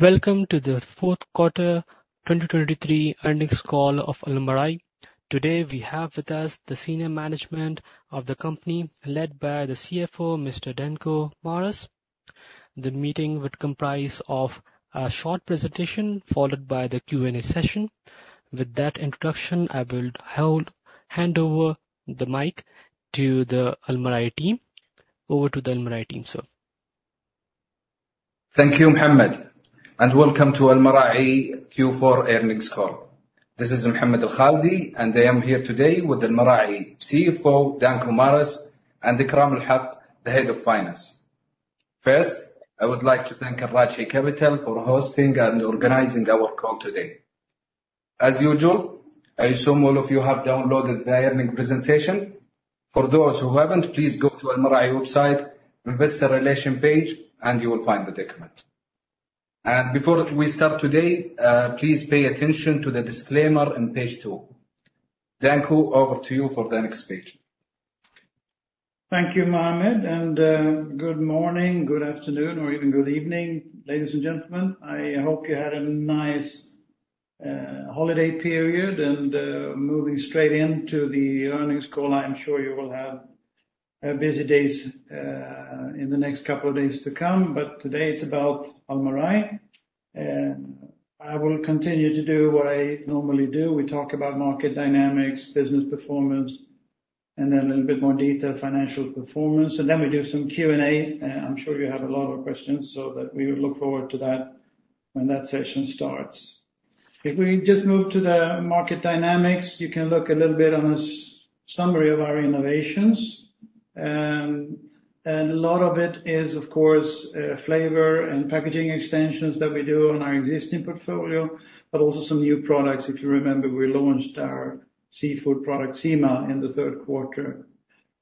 Welcome to the fourth quarter 2023 earnings call of Almarai. Today, we have with us the senior management of the company, led by the CFO, Mr. Danko Maras. The meeting would comprise of a short presentation, followed by the Q&A session. With that introduction, I will hand over the mic to the Almarai team. Over to the Almarai team, sir. Thank you, Mohammed, and welcome to Almarai Q4 earnings call. This is Mohammed Alkhaldi, and I am here today with Almarai's CFO, Danko Maras, and Ikram Ul Haque, the Head of Finance. First, I would like to thank for hosting and organizing our call today. As usual, I assume all of you have downloaded the earnings presentation. For those who haven't, please go to Almarai website, Investor Relations page, and you will find the document. Before we start today, please pay attention to the disclaimer on page two. Danko, over to you for the next page. Thank you, Mohammed, and good morning, good afternoon, or even good evening, ladies and gentlemen. I hope you had a nice holiday period, and moving straight into the earnings call, I'm sure you will have busy days in the next couple of days to come, but today it's about Almarai. I will continue to do what I normally do. We talk about market dynamics, business performance, and then a little bit more detailed financial performance, and then we do some Q&A. I'm sure you have a lot of questions, so that we look forward to that when that session starts. If we just move to the market dynamics, you can look a little bit on a summary of our innovations. A lot of it is, of course, flavor and packaging extensions that we do on our existing portfolio, but also some new products. If you remember, we launched our seafood product, Seama, in the third quarter.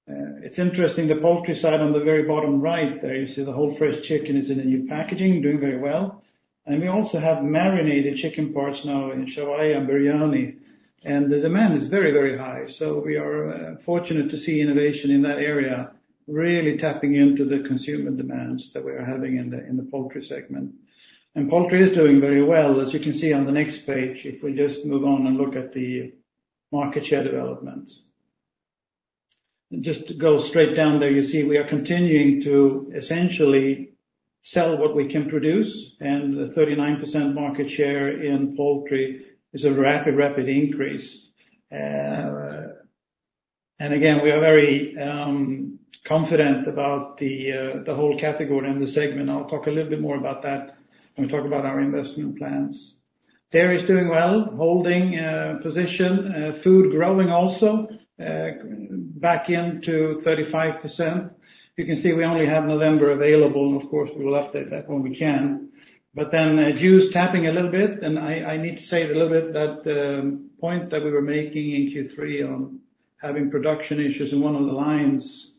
It's interesting, the poultry side on the very bottom right there, you see the whole fresh chicken is in a new packaging, doing very well. And we also have marinated chicken parts now in Shawaya and Biryani, and the demand is very, very high. So we are fortunate to see innovation in that area, really tapping into the consumer demands that we are having in the poultry segment. And poultry is doing very well, as you can see on the next page, if we just move on and look at the market share developments. Just to go straight down there, you see we are continuing to essentially sell what we can produce, and the 39% market share in poultry is a rapid, rapid increase. And again, we are very confident about the, the whole category and the segment. I'll talk a little bit more about that when we talk about our investment plans. Dairy is doing well, holding position, food growing also back into 35%. You can see we only have November available. Of course, we will update that when we can. But then, juice tapping a little bit, and I, I need to say it a little bit, that point that we were making in Q3 on having production issues in one of the lines,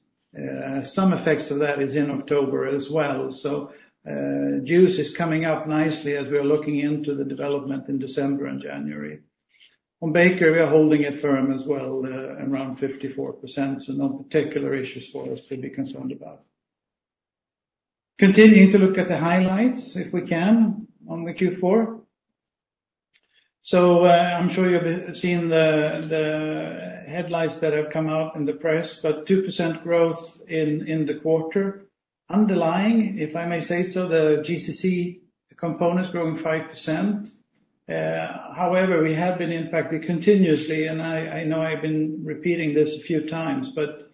some effects of that is in October as well. So, juice is coming up nicely as we are looking into the development in December and January. On bakery, we are holding it firm as well, around 54%, so no particular issues for us to be concerned about. Continuing to look at the highlights, if we can, on the Q4. So, I'm sure you've seen the highlights that have come out in the press, but 2% growth in the quarter. Underlying, if I may say so, the GCC component is growing 5%. However, we have been impacted continuously, and I know I've been repeating this a few times, but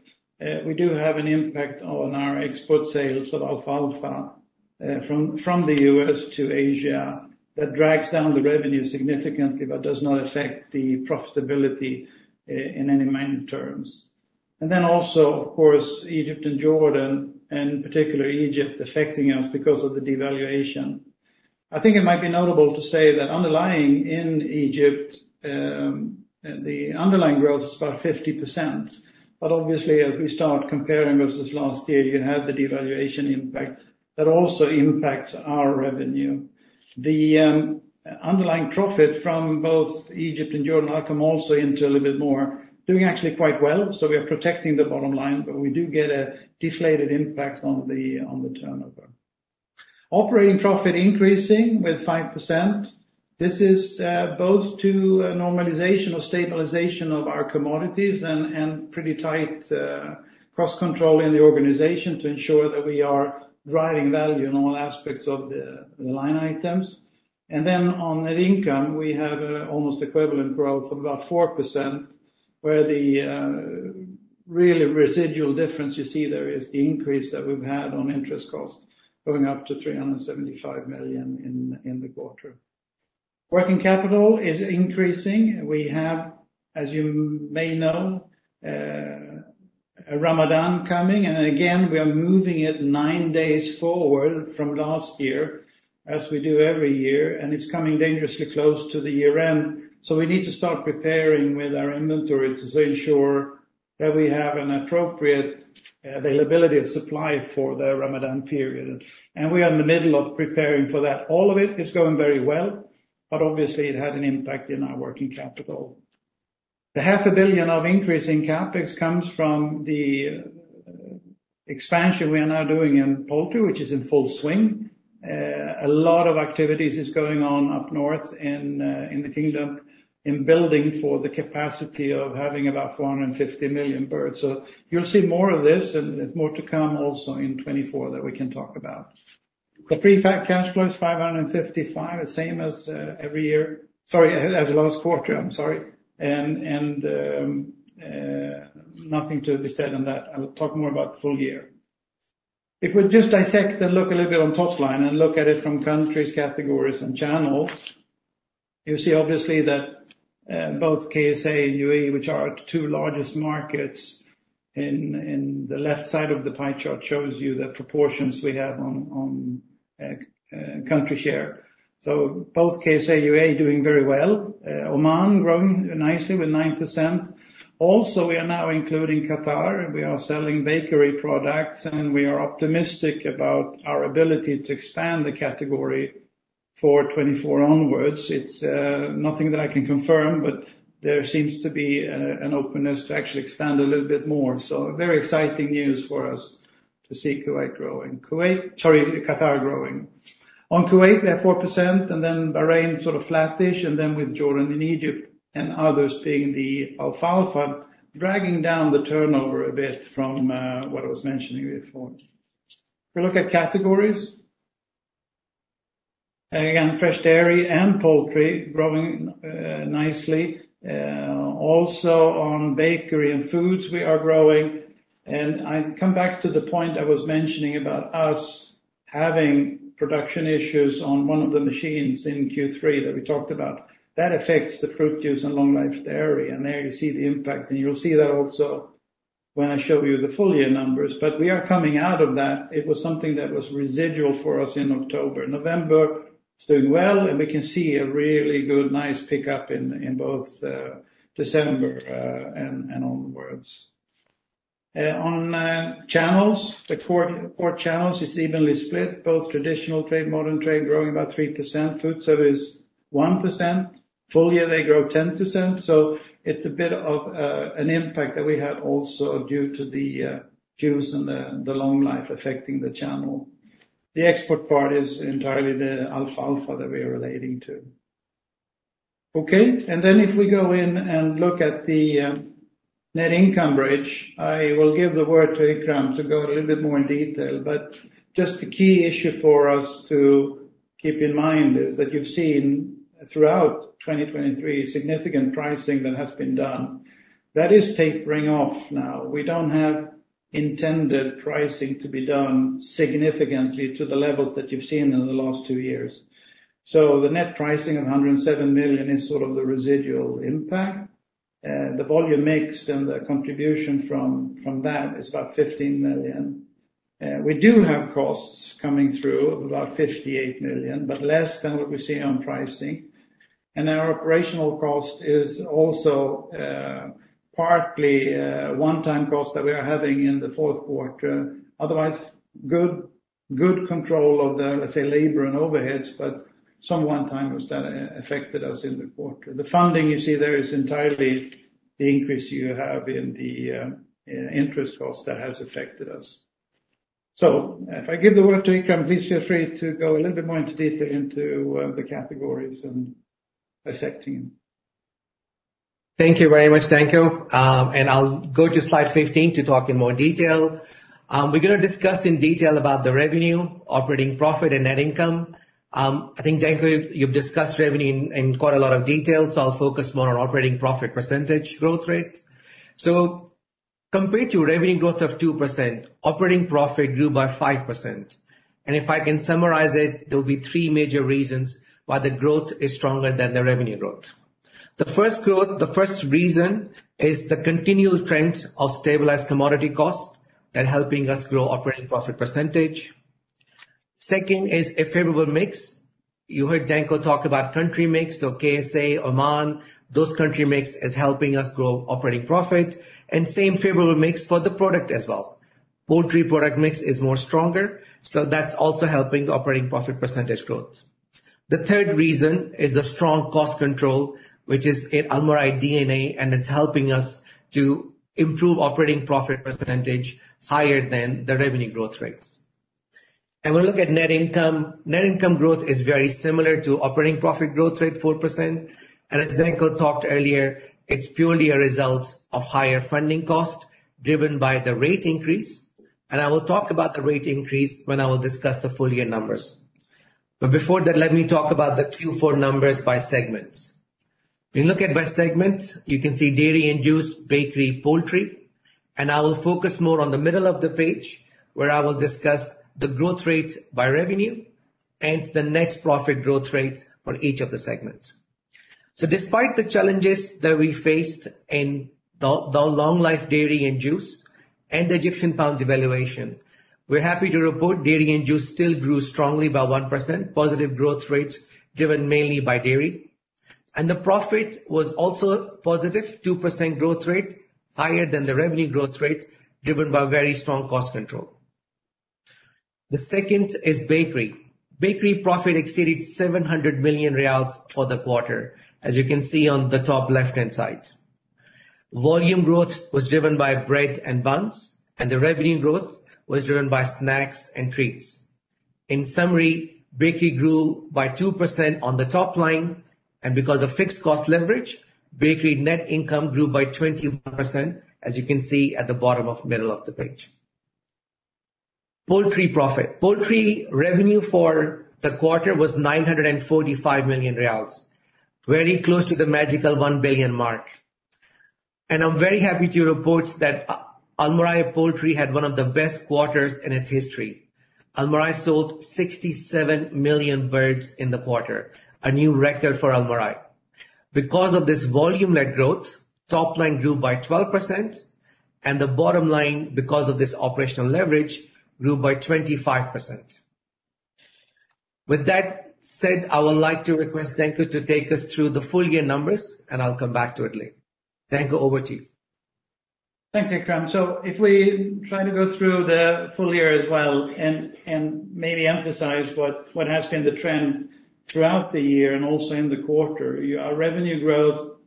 we do have an impact on our export sales of alfalfa from the U.S. to Asia. That drags down the revenue significantly, but does not affect the profitability in any main terms. And then also, of course, Egypt and Jordan, and in particular Egypt, affecting us because of the devaluation. I think it might be notable to say that underlying in Egypt, the underlying growth is about 50%. But obviously, as we start comparing versus last year, you had the devaluation impact. That also impacts our revenue. The underlying profit from both Egypt and Jordan, I'll come also into a little bit more, doing actually quite well, so we are protecting the bottom line, but we do get a deflated impact on the turnover. Operating profit increasing with 5%. This is both to a normalization or stabilization of our commodities and pretty tight cost control in the organization to ensure that we are driving value in all aspects of the line items. Then on net income, we have almost equivalent growth of about 4%, where the really residual difference you see there is the increase that we've had on interest costs, going up to 375 million in the quarter. Working capital is increasing. We have, as you may know, Ramadan coming, and again, we are moving it 9 days forward from last year, as we do every year, and it's coming dangerously close to the year-end. So we need to start preparing with our inventory to ensure that we have an appropriate availability of supply for the Ramadan period. And we are in the middle of preparing for that. All of it is going very well, but obviously it had an impact in our working capital. The half a billion of increase in CapEx comes from the... expansion we are now doing in poultry, which is in full swing. A lot of activities is going on up north in, in the kingdom, in building for the capacity of having about 450 million birds. So you'll see more of this and, and more to come also in 2024 that we can talk about. The free cash flow is 555 million, the same as, every year. Sorry, as last quarter, I'm sorry. And, and, nothing to be said on that. I will talk more about full year. If we just dissect and look a little bit on top line and look at it from countries, categories, and channels, you see obviously that, both KSA and UAE, which are the two largest markets in the left side of the pie chart, shows you the proportions we have on country share. So both KSA, UAE doing very well. Oman growing nicely with 9%. Also, we are now including Qatar. We are selling bakery products, and we are optimistic about our ability to expand the category for 2024 onwards. It's nothing that I can confirm, but there seems to be an openness to actually expand a little bit more. So very exciting news for us to see Kuwait growing. Kuwait... Sorry, Qatar growing. On Kuwait, we have 4%, and then Bahrain, sort of flattish, and then with Jordan and Egypt and others being the alfalfa, dragging down the turnover a bit from, what I was mentioning before. If we look at categories, again, fresh dairy and poultry growing, nicely. Also on bakery and foods, we are growing. And I come back to the point I was mentioning about us having production issues on one of the machines in Q3 that we talked about. That affects the fruit juice and long life dairy, and there you see the impact, and you'll see that also when I show you the full year numbers. But we are coming out of that. It was something that was residual for us in October. November, it's doing well, and we can see a really good, nice pickup in both December and onwards. On channels, the core core channels is evenly split, both traditional trade, modern trade, growing about 3%. Food service, 1%. Full year, they grow 10%. So it's a bit of an impact that we had also due to the juice and the long life affecting the channel. The export part is entirely the alfalfa that we are relating to. Okay, and then if we go in and look at the net income bridge, I will give the word to Ikram to go a little bit more in detail. But just the key issue for us to keep in mind is that you've seen throughout 2023, significant pricing that has been done. That is tapering off now. We don't have intended pricing to be done significantly to the levels that you've seen in the last two years. So the net pricing of 107 million is sort of the residual impact. The volume mix and the contribution from, from that is about 15 million. We do have costs coming through of about 58 million, but less than what we see on pricing. And our operational cost is also partly a one-time cost that we are having in the fourth quarter. Otherwise, good, good control of the, let's say, labor and overheads, but some one-time costs that affected us in the quarter. The funding you see there is entirely the increase you have in the interest cost that has affected us. If I give the word to Ikram, please feel free to go a little bit more into detail into the categories and dissecting. Thank you very much, Danko. And I'll go to slide 15 to talk in more detail. We're gonna discuss in detail about the revenue, operating profit, and net income. I think, Danko, you've discussed revenue in quite a lot of detail, so I'll focus more on operating profit percentage growth rates. So compared to revenue growth of 2%, operating profit grew by 5%. And if I can summarize it, there will be three major reasons why the growth is stronger than the revenue growth. The first growth, the first reason is the continual trend of stabilized commodity costs that helping us grow operating profit percentage. Second is a favorable mix. You heard Danko talk about country mix, so KSA, Oman, those country mix is helping us grow operating profit, and same favorable mix for the product as well. Poultry product mix is more stronger, so that's also helping the operating profit percentage growth. The third reason is the strong cost control, which is in Almarai DNA, and it's helping us to improve operating profit percentage higher than the revenue growth rates. We look at net income. Net income growth is very similar to operating profit growth rate, 4%. As Danko talked earlier, it's purely a result of higher funding cost, driven by the rate increase. I will talk about the rate increase when I will discuss the full year numbers. But before that, let me talk about the Q4 numbers by segments. When you look at by segment, you can see dairy and juice, bakery, poultry, and I will focus more on the middle of the page, where I will discuss the growth rates by revenue and the net profit growth rates for each of the segments. So despite the challenges that we faced in the long life dairy and juice, and the Egyptian pound devaluation, we're happy to report dairy and juice still grew strongly by 1%, positive growth rate, driven mainly by dairy. And the profit was also positive, 2% growth rate, higher than the revenue growth rate, driven by very strong cost control. The second is bakery. Bakery profit exceeded 700 million riyals for the quarter, as you can see on the top left-hand side. Volume growth was driven by bread and buns, and the revenue growth was driven by snacks and treats. In summary, bakery grew by 2% on the top line, and because of fixed cost leverage, bakery net income grew by 21%, as you can see at the bottom of middle of the page. Poultry profit. Poultry revenue for the quarter was 945 million riyals, very close to the magical 1 billion mark. I'm very happy to report that, Almarai Poultry had one of the best quarters in its history. Almarai sold 67 million birds in the quarter, a new record for Almarai. Because of this volume-led growth, top line grew by 12%, and the bottom line, because of this operational leverage, grew by 25%. With that said, I would like to request Danko to take us through the full year numbers, and I'll come back to it later. Danko, over to you. Thanks, Ikram. So if we try to go through the full year as well, and maybe emphasize what has been the trend throughout the year and also in the quarter, our revenue growth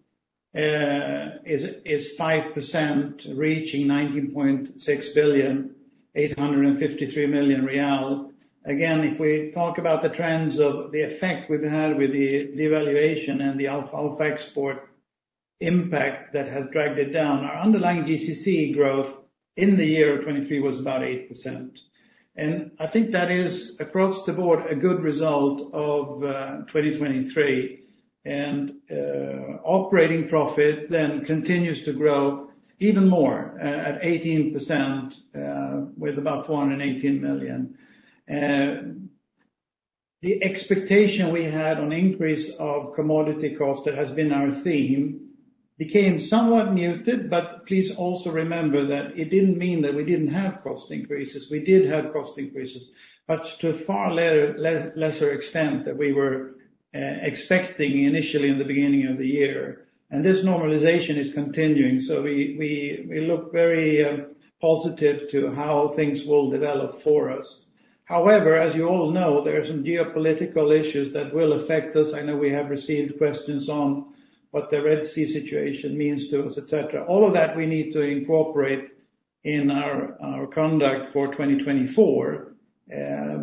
is 5%, reaching 19.6 billion, 853 million riyal. Again, if we talk about the trends of the effect we've had with the devaluation and the alfalfa export impact that has dragged it down, our underlying GCC growth in the year of 2023 was about 8%. And I think that is, across the board, a good result of 2023. And operating profit then continues to grow even more at 18% with about 418 million. The expectation we had on increase of commodity cost, that has been our theme, became somewhat muted, but please also remember that it didn't mean that we didn't have cost increases. We did have cost increases, but to a far lesser extent than we were expecting initially in the beginning of the year. And this normalization is continuing, so we look very positive to how things will develop for us. However, as you all know, there are some geopolitical issues that will affect us. I know we have received questions on what the Red Sea situation means to us, et cetera. All of that we need to incorporate in our conduct for 2024.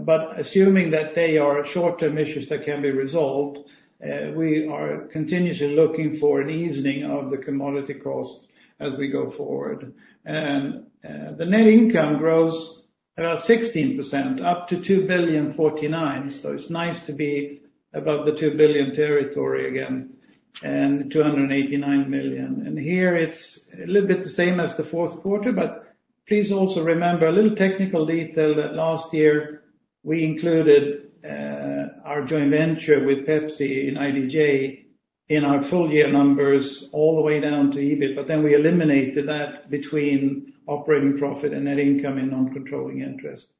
But assuming that they are short-term issues that can be resolved, we are continuously looking for an easing of the commodity cost as we go forward. The net income grows about 16%, up to 2,049 million. So it's nice to be above the two billion territory again, and 289 million. And here, it's a little bit the same as the fourth quarter, but please also remember a little technical detail that last year we included our joint venture with Pepsi in IDJ, in our full year numbers, all the way down to EBIT, but then we eliminated that between operating profit and net income in non-controlling interest.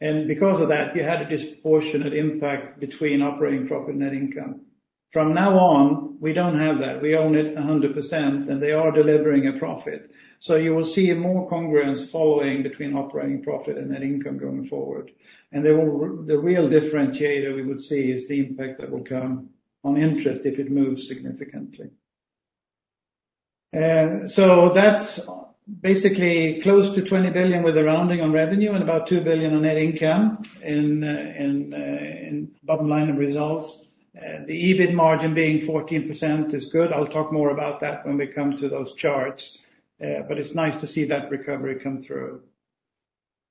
And because of that, you had a disproportionate impact between operating profit and net income. From now on, we don't have that. We own it 100%, and they are delivering a profit. So you will see more congruence following between operating profit and net income going forward. The real differentiator we would see is the impact that will come on interest if it moves significantly. So that's basically close to 20 billion, with a rounding on revenue and about 2 billion on net income in, in, in bottom line of results. The EBIT margin being 14% is good. I'll talk more about that when we come to those charts, but it's nice to see that recovery come through.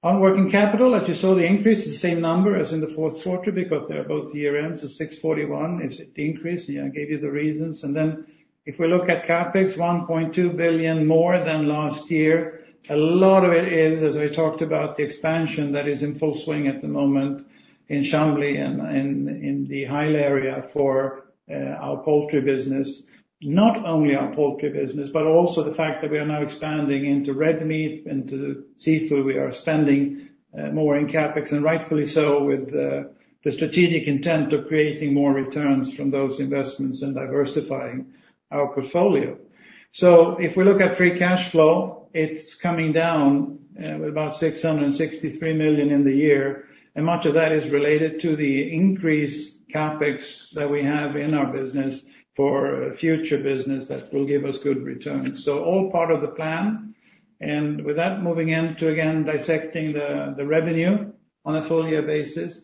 On working capital, as you saw, the increase is the same number as in the fourth quarter because they're both year-end, so 641 is the increase. I gave you the reasons. Then if we look at CapEx, 1.2 billion more than last year, a lot of it is, as I talked about, the expansion that is in full swing at the moment in Al-Shamli and in the Ha'il area for our poultry business. Not only our poultry business, but also the fact that we are now expanding into red meat, into seafood. We are spending more in CapEx, and rightfully so, with the strategic intent of creating more returns from those investments and diversifying our portfolio. So if we look at free cash flow, it's coming down with about 663 million in the year, and much of that is related to the increased CapEx that we have in our business for future business that will give us good returns. So all part of the plan, and with that, moving on to, again, dissecting the revenue on a full year basis.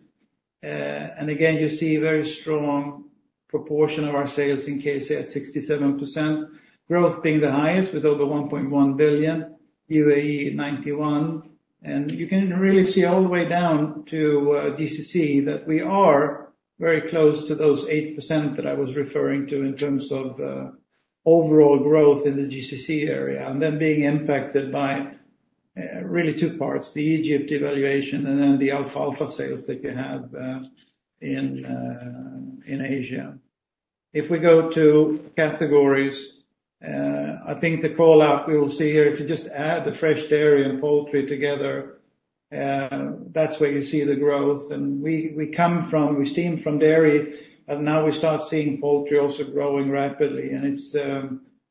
And again, you see very strong proportion of our sales in KSA at 67%. Growth being the highest with over 1.1 billion, UAE, 91. And you can really see all the way down to GCC that we are very close to those 8% that I was referring to in terms of overall growth in the GCC area, and then being impacted by really two parts: the Egypt devaluation and then the alfalfa sales that you have in Asia. If we go to categories, I think the call out we will see here, if you just add the fresh dairy and poultry together, that's where you see the growth. And we've seen from dairy, and now we start seeing poultry also growing rapidly, and it's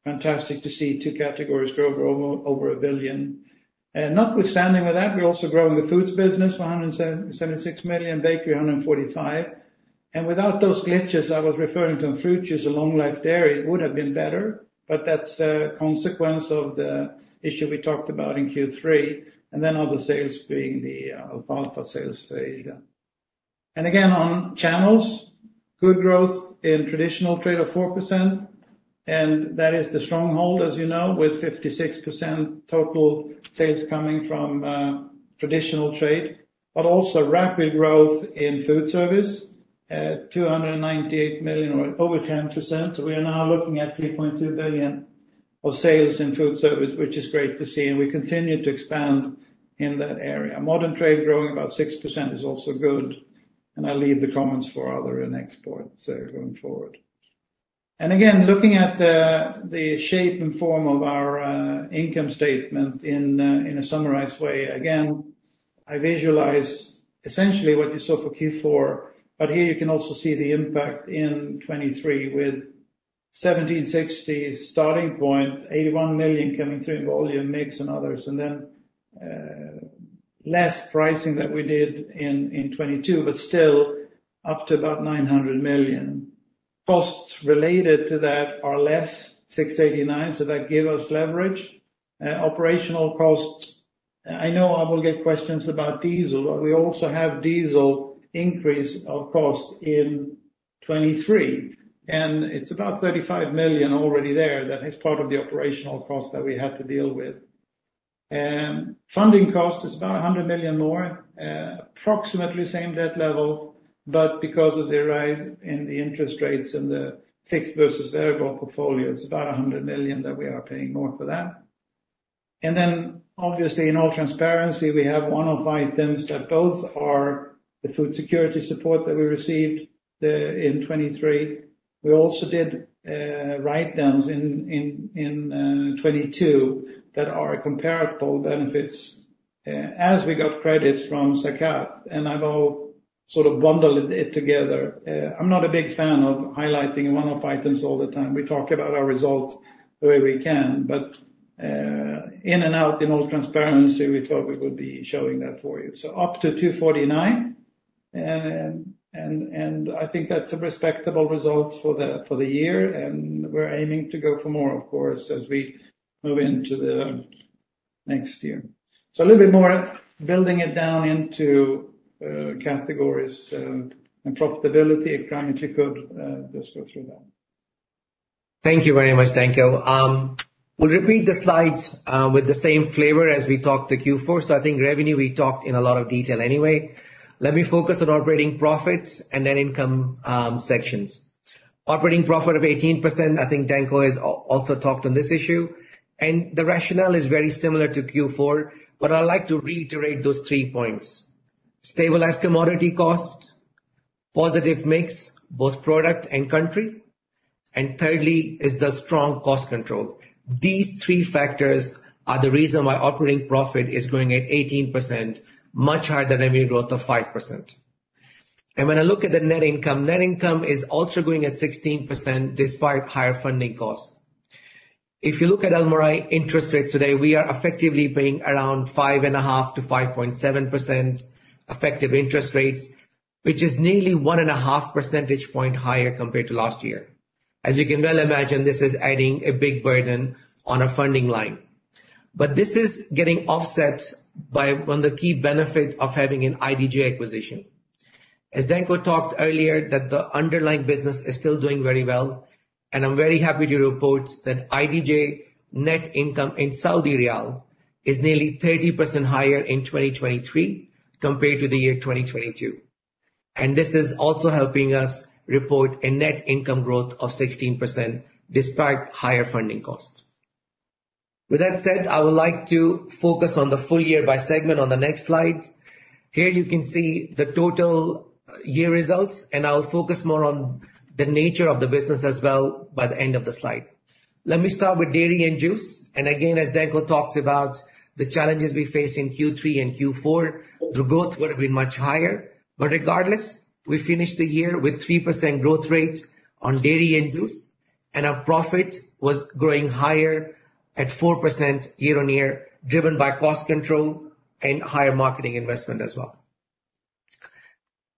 fantastic to see two categories grow over a billion. Notwithstanding with that, we're also growing the foods business, 176 million, bakery, 145 million. And without those glitches I was referring to in fruit juice and long life dairy, it would have been better, but that's a consequence of the issue we talked about in Q3, and then other sales being the alfalfa sales to Asia. And again, on channels, good growth in traditional trade of 4%, and that is the stronghold, as you know, with 56% total sales coming from traditional trade, but also rapid growth in food service at 298 million or over 10%. So we are now looking at 3.2 billion of sales in food service, which is great to see, and we continue to expand in that area. Modern trade growing about 6% is also good, and I'll leave the comments for other in export, so going forward. Again, looking at the shape and form of our income statement in a summarized way. Again, I visualize essentially what you saw for Q4, but here you can also see the impact in 2023, with 1,760 million starting point, 81 million coming through in volume, mix and others, and then less pricing than we did in 2022, but still up to about 900 million. Costs related to that are 689 million, so that gave us leverage. Operational costs, I know I will get questions about diesel, but we also have diesel increase of cost in 2023, and it's about 35 million already there. That is part of the operational cost that we have to deal with. Funding cost is about 100 million more, approximately the same debt level, but because of the rise in the interest rates and the fixed versus variable portfolio, it's about 100 million that we are paying more for that. And then, obviously, in all transparency, we have one of items that both are the food security support that we received the, in 2023. We also did write-downs in 2022 that are comparable benefits, as we got credits from Zakat, and I've all sort of bundled it together. I'm not a big fan of highlighting one-off items all the time. We talk about our results the way we can, but, in and out, in all transparency, we thought we would be showing that for you. So up to 249, and I think that's a respectable results for the year, and we're aiming to go for more, of course, as we move into the next year. So a little bit more, building it down into categories and profitability. Ikram could just go through that. Thank you very much, Danko. We'll repeat the slides with the same flavor as we talked to Q4. So I think revenue, we talked in a lot of detail anyway. Let me focus on operating profits and then income sections. Operating profit of 18%, I think Danko has also talked on this issue, and the rationale is very similar to Q4, but I'd like to reiterate those three points. Stabilized commodity cost, positive mix, both product and country, and thirdly is the strong cost control. These three factors are the reason why operating profit is growing at 18%, much higher than revenue growth of 5%. And when I look at the net income, net income is also growing at 16%, despite higher funding costs. If you look at Almarai interest rates today, we are effectively paying around 5.5%-5.7% effective interest rates, which is nearly 1.5 percentage points higher compared to last year. As you can well imagine, this is adding a big burden on our funding line. But this is getting offset by one of the key benefit of having an IDJ acquisition. As Danko talked earlier, that the underlying business is still doing very well, and I'm very happy to report that IDJ net income in Saudi Riyal is nearly 30% higher in 2023 compared to the year 2022. And this is also helping us report a net income growth of 16%, despite higher funding costs. With that said, I would like to focus on the full year by segment on the next slide. Here you can see the total year results, and I will focus more on the nature of the business as well by the end of the slide. Let me start with dairy and juice. And again, as Danko talked about the challenges we face in Q3 and Q4, the growth would have been much higher. But regardless, we finished the year with 3% growth rate on dairy and juice, and our profit was growing higher at 4% year-on-year, driven by cost control and higher marketing investment as well.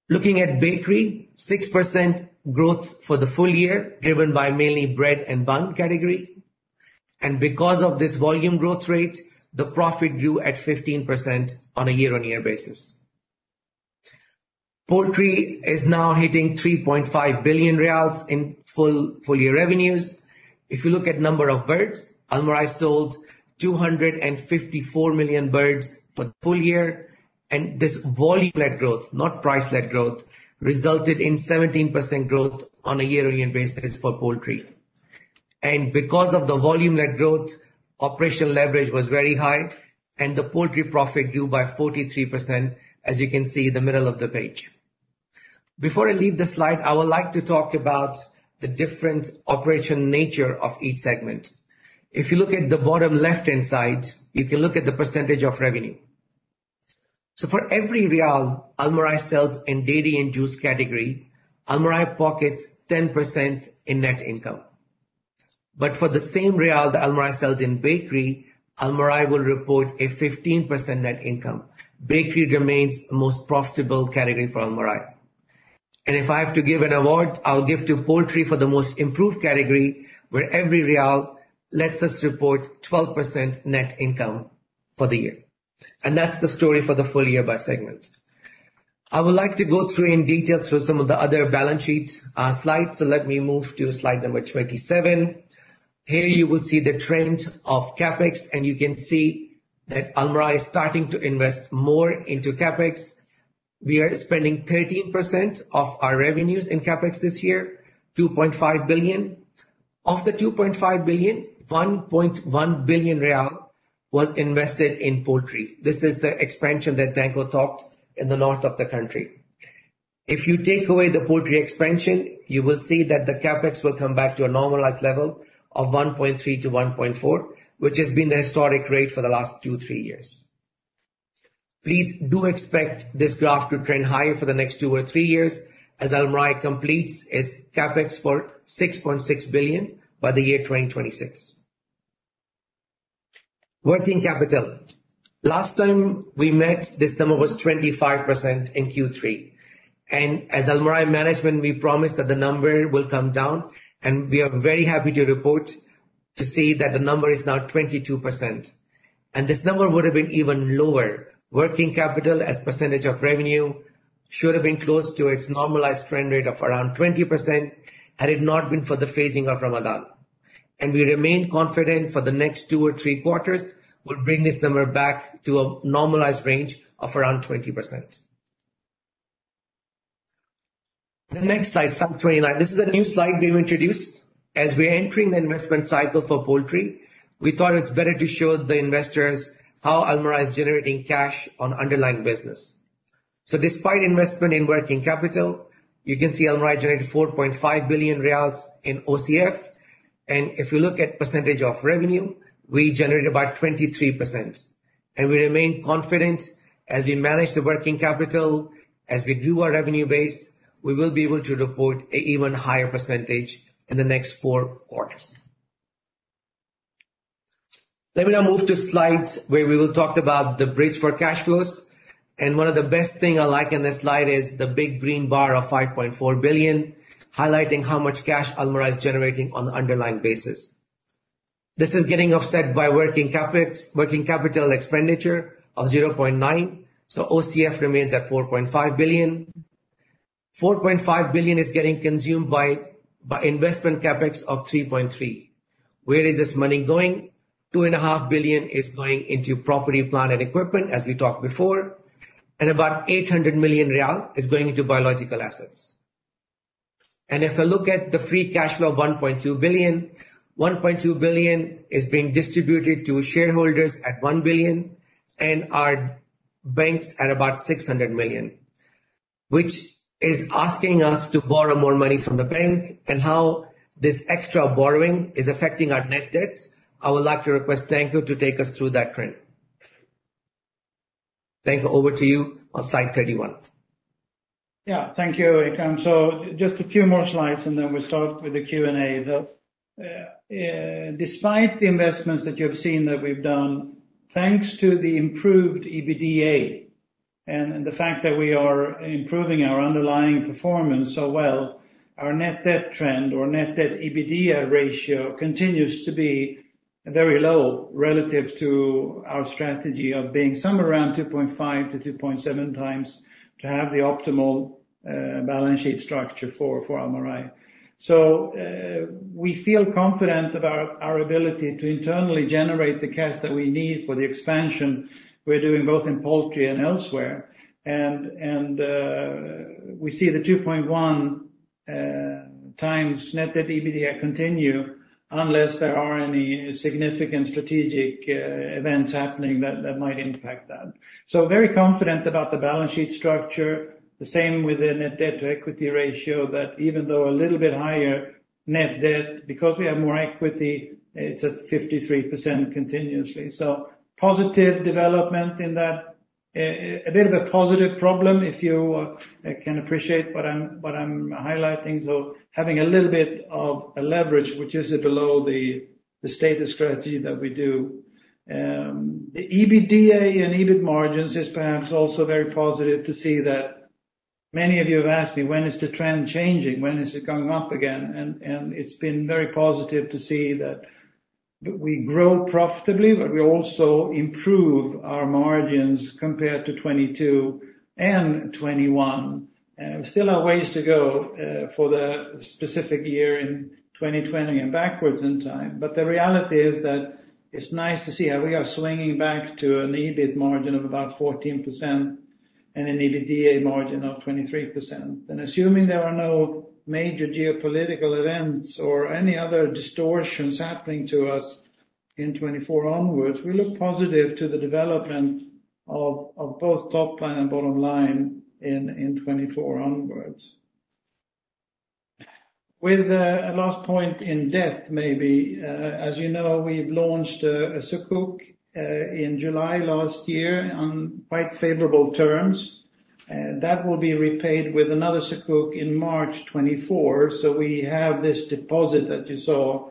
Looking at bakery, 6% growth for the full year, driven by mainly bread and bun category. And because of this volume growth rate, the profit grew at 15% on a year-on-year basis. Poultry is now hitting 3.5 billion riyals in full, full-year revenues. If you look at number of birds, Almarai sold 254 million birds for the full year, and this volume-led growth, not price-led growth, resulted in 17% growth on a year-on-year basis for poultry. And because of the volume-led growth, operational leverage was very high, and the poultry profit grew by 43%, as you can see in the middle of the page. Before I leave this slide, I would like to talk about the different operational nature of each segment. If you look at the bottom left-hand side, you can look at the percentage of revenue. So for every SAR Almarai sells in dairy and juice category, Almarai pockets 10% in net income... But for the same SAR that Almarai sells in bakery, Almarai will report a 15% net income. Bakery remains the most profitable category for Almarai. If I have to give an award, I'll give to poultry for the most improved category, where every riyal lets us report 12% net income for the year. And that's the story for the full year by segment. I would like to go through in detail through some of the other balance sheets, slides. Let me move to slide number 27. Here you will see the trend of CapEx, and you can see that Almarai is starting to invest more into CapEx. We are spending 13% of our revenues in CapEx this year, 2.5 billion. Of the 2.5 billion, 1.1 billion riyal was invested in poultry. This is the expansion that Danko talked in the north of the country. If you take away the poultry expansion, you will see that the CapEx will come back to a normalized level of 1.3-1.4 billion, which has been the historic rate for the last two, three years. Please do expect this graph to trend higher for the next two or three years as Almarai completes its CapEx for 6.6 billion by the year 2026. Working capital. Last time we met, this number was 25% in Q3, and as Almarai management, we promised that the number will come down, and we are very happy to report, to see that the number is now 22%. This number would have been even lower. Working capital, as percentage of revenue, should have been close to its normalized trend rate of around 20%, had it not been for the phasing of Ramadan. We remain confident for the next two or three quarters, we'll bring this number back to a normalized range of around 20%. The next slide, slide 29. This is a new slide we've introduced. As we're entering the investment cycle for poultry, we thought it's better to show the investors how Almarai is generating cash on underlying business. So despite investment in working capital, you can see Almarai generated 4.5 billion riyals in OCF, and if you look at percentage of revenue, we generated about 23%. And we remain confident as we manage the working capital, as we grew our revenue base, we will be able to report an even higher percentage in the next four quarters. Let me now move to slides, where we will talk about the bridge for cash flows. One of the best thing I like in this slide is the big green bar of 5.4 billion, highlighting how much cash Almarai is generating on the underlying basis. This is getting offset by working CapEx, working capital expenditure of 0.9 billion, so OCF remains at 4.5 billion. 4.5 billion is getting consumed by investment CapEx of 3.3 billion. Where is this money going? 2.5 billion is going into property, plant, and equipment, as we talked before, and about SAR 800 million is going into biological assets. If I look at the free cash flow of 1.2 billion, 1.2 billion is being distributed to shareholders at 1 billion, and our banks at about 600 million, which is asking us to borrow more money from the bank, and how this extra borrowing is affecting our net debt. I would like to request Danko to take us through that trend. Danko, over to you on slide 31. Yeah, thank you, Ikram. So just a few more slides, and then we'll start with the Q&A. The, despite the investments that you've seen that we've done, thanks to the improved EBITDA and the fact that we are improving our underlying performance so well, our net debt trend or net debt EBITDA ratio continues to be very low relative to our strategy of being somewhere around 2.5-2.7 times, to have the optimal, balance sheet structure for Almarai. So, we feel confident about our ability to internally generate the cash that we need for the expansion we're doing, both in poultry and elsewhere. And, we see the 2.1, times net debt EBITDA continue, unless there are any significant strategic, events happening that might impact that. So very confident about the balance sheet structure. The same with the net debt to equity ratio, that even though a little bit higher net debt, because we have more equity, it's at 53% continuously. So positive development in that. A bit of a positive problem, if you can appreciate what I'm highlighting. So having a little bit of a leverage, which is below the stated strategy that we do. The EBITDA and EBIT margins is perhaps also very positive to see that. Many of you have asked me, "When is the trend changing? When is it going up again?" And it's been very positive to see that we grow profitably, but we also improve our margins compared to 2022 and 2021. We still have ways to go for the specific year in 2020 and backwards in time. But the reality is that it's nice to see how we are swinging back to an EBIT margin of about 14% and an EBITDA margin of 23%. And assuming there are no major geopolitical events or any other distortions happening to us in 2024 onwards, we look positive to the development of both top line and bottom line in 2024 onwards. With a last point in depth, maybe, as you know, we've launched a Sukuk in July last year on quite favorable terms. And that will be repaid with another Sukuk in March 2024. So we have this deposit that you saw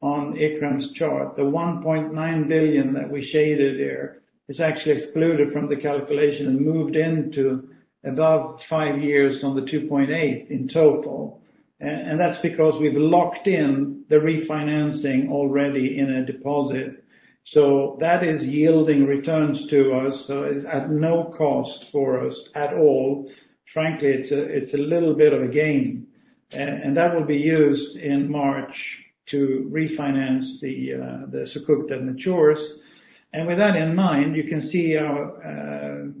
on Ikram's chart. The 1.9 billion that we shaded there is actually excluded from the calculation and moved into above five years on the 2.8 billion in total. And that's because we've locked in the refinancing already in a deposit. So that is yielding returns to us, so it's at no cost for us at all. Frankly, it's a little bit of a gain, and that will be used in March to refinance the Sukuk that matures. And with that in mind, you can see our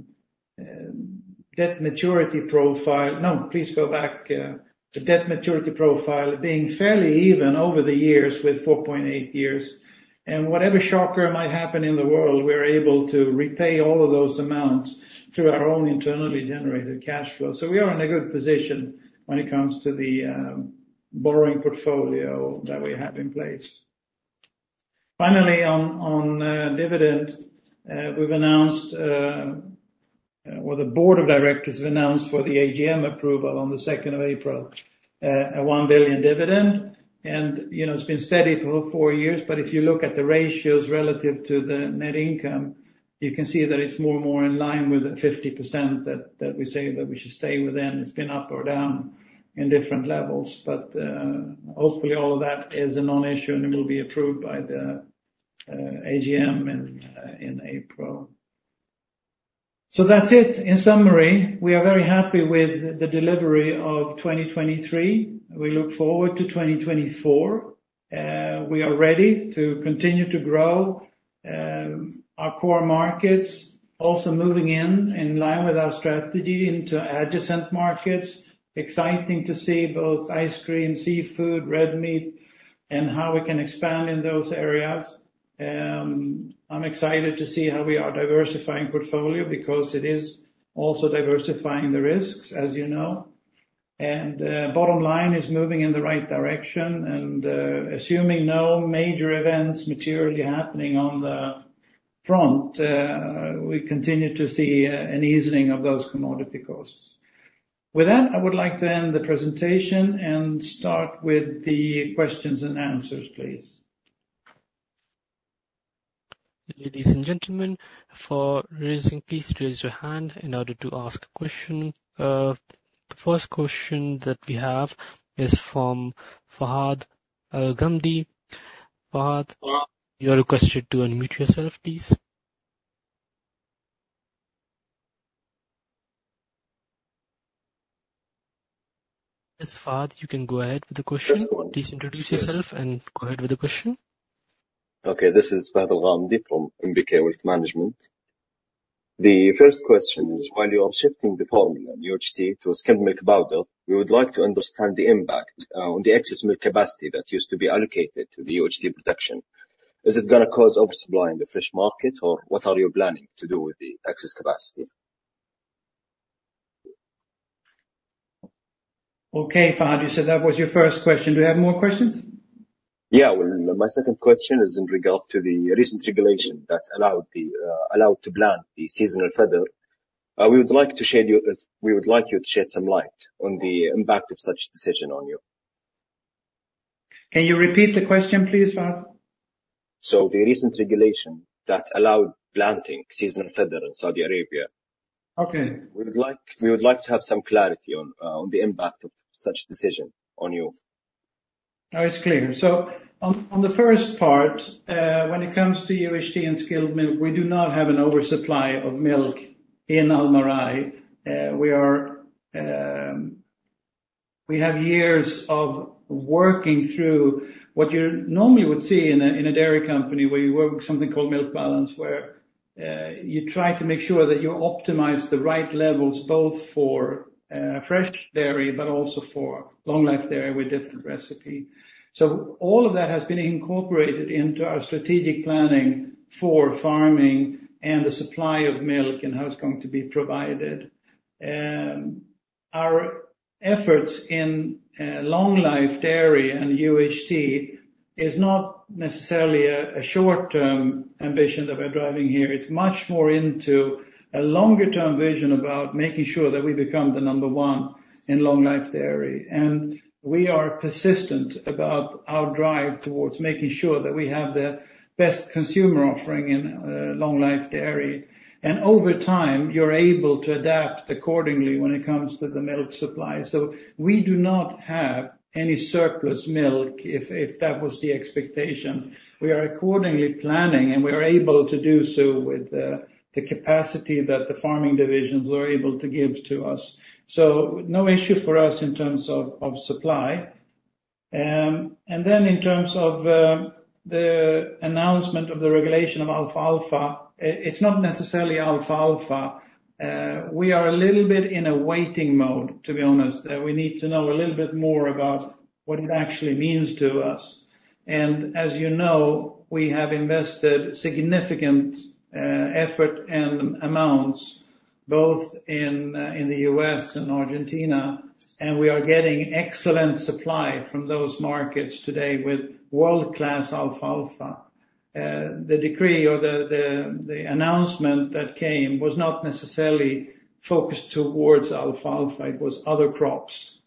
debt maturity profile. No, please go back. The debt maturity profile being fairly even over the years with 4.8 years. And whatever shocker might happen in the world, we're able to repay all of those amounts through our own internally generated cash flow. So we are in a good position when it comes to the borrowing portfolio that we have in place. Finally, on dividend, we've announced—or the board of directors have announced for the AGM approval on the second of April, a 1 billion dividend, and, you know, it's been steady for over four years. But if you look at the ratios relative to the net income, you can see that it's more and more in line with the 50% that we say that we should stay within. It's been up or down in different levels, but hopefully all of that is a non-issue, and it will be approved by the AGM in April. So that's it. In summary, we are very happy with the delivery of 2023. We look forward to 2024. We are ready to continue to grow our core markets. Also moving in line with our strategy into adjacent markets. Exciting to see both ice cream, seafood, red meat, and how we can expand in those areas. I'm excited to see how we are diversifying portfolio because it is also diversifying the risks, as you know. Bottom line is moving in the right direction and assuming no major events materially happening on the front, we continue to see an easing of those commodity costs. With that, I would like to end the presentation and start with the questions and answers, please. Ladies and gentlemen, for raising, please raise your hand in order to ask a question. The first question that we have is from Fahad Al-Ghamdi. Fahad- Yeah. You are requested to unmute yourself, please. Yes, Fahad, you can go ahead with the question. Yes. Please introduce yourself and go ahead with the question. Okay, this is Fahad Alghamdi from NBK Wealth Management. The first question is, while you are shifting the formula UHT to skimmed milk powder, we would like to understand the impact on the excess milk capacity that used to be allocated to the UHT production. Is it gonna cause oversupply in the fresh market, or what are you planning to do with the excess capacity? Okay, Fahad, you said that was your first question. Do you have more questions? Yeah. Well, my second question is in regard to the recent regulation that allowed to plant the seasonal fodder. We would like you to shed some light on the impact of such decision on you. Can you repeat the question, please, Fahad? The recent regulation that allowed planting seasonal fodder in Saudi Arabia. Okay. We would like, we would like to have some clarity on the impact of such decision on you. No, it's clear. So on the first part, when it comes to UHT and skimmed milk, we do not have an oversupply of milk in Almarai. We are. We have years of working through what you normally would see in a dairy company, where you work with something called milk balance, where you try to make sure that you optimize the right levels, both for fresh dairy, but also for long-life dairy with different recipe. So all of that has been incorporated into our strategic planning for farming and the supply of milk and how it's going to be provided. Our efforts in long-life dairy and UHT is not necessarily a short-term ambition that we're driving here. It's much more into a longer-term vision about making sure that we become the number one in long-life dairy. We are persistent about our drive towards making sure that we have the best consumer offering in long-life dairy. Over time, you're able to adapt accordingly when it comes to the milk supply. So we do not have any surplus milk, if that was the expectation. We are accordingly planning, and we are able to do so with the capacity that the farming divisions are able to give to us. So no issue for us in terms of supply. And then in terms of the announcement of the regulation of alfalfa, it's not necessarily alfalfa. We are a little bit in a waiting mode, to be honest. We need to know a little bit more about what it actually means to us. As you know, we have invested significant effort and amounts both in the U.S. and Argentina, and we are getting excellent supply from those markets today with world-class alfalfa. The decree or the announcement that came was not necessarily focused towards alfalfa; it was other crops.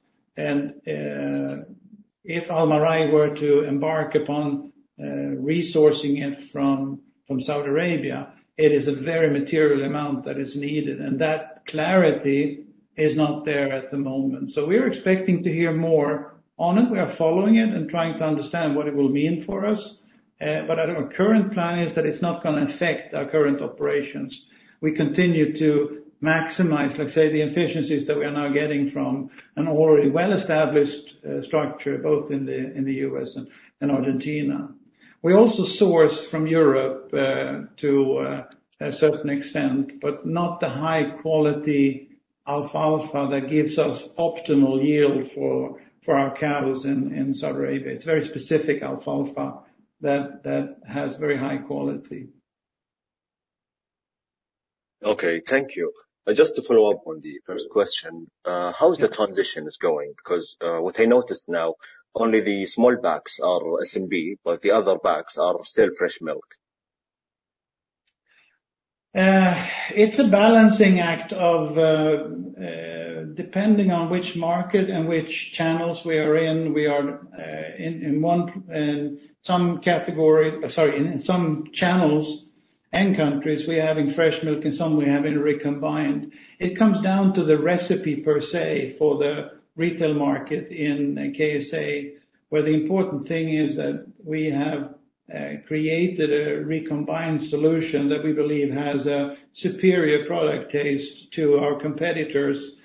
If Almarai were to embark upon resourcing it from Saudi Arabia, it is a very material amount that is needed, and that clarity is not there at the moment. We are expecting to hear more on it. We are following it and trying to understand what it will mean for us. But our current plan is that it's not gonna affect our current operations. We continue to maximize, let's say, the efficiencies that we are now getting from an already well-established structure, both in the U.S. and Argentina. We also source from Europe to a certain extent, but not the high-quality alfalfa that gives us optimal yield for our cows in Saudi Arabia. It's very specific alfalfa that has very high quality. Okay, thank you. Just to follow up on the first question, how is the transition going? 'Cause, what I noticed now, only the small packs are SMP, but the other packs are still fresh milk. It's a balancing act of, depending on which market and which channels we are in, we are in some channels and countries having fresh milk, and some we are having recombined. It comes down to the recipe per se, for the retail market in KSA, where the important thing is that we have created a recombined solution that we believe has a superior product taste to our competitors.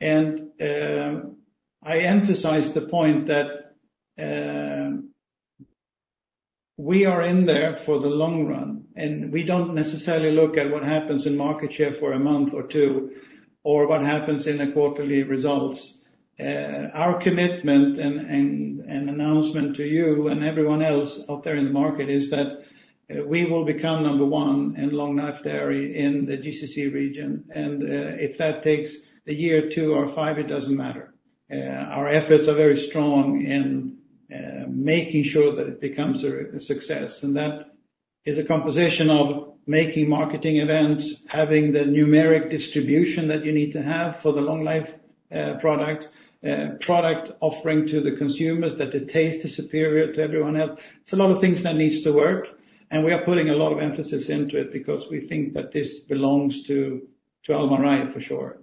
And I emphasize the point that we are in there for the long run, and we don't necessarily look at what happens in market share for a month or two, or what happens in the quarterly results. Our commitment and announcement to you and everyone else out there in the market is that we will become number one in long-life dairy in the GCC region, and if that takes a year or two or five, it doesn't matter. Our efforts are very strong in making sure that it becomes a success, and that is a composition of making marketing events, having the numeric distribution that you need to have for the long life products, product offering to the consumers, that the taste is superior to everyone else. It's a lot of things that needs to work, and we are putting a lot of emphasis into it because we think that this belongs to Almarai, for sure.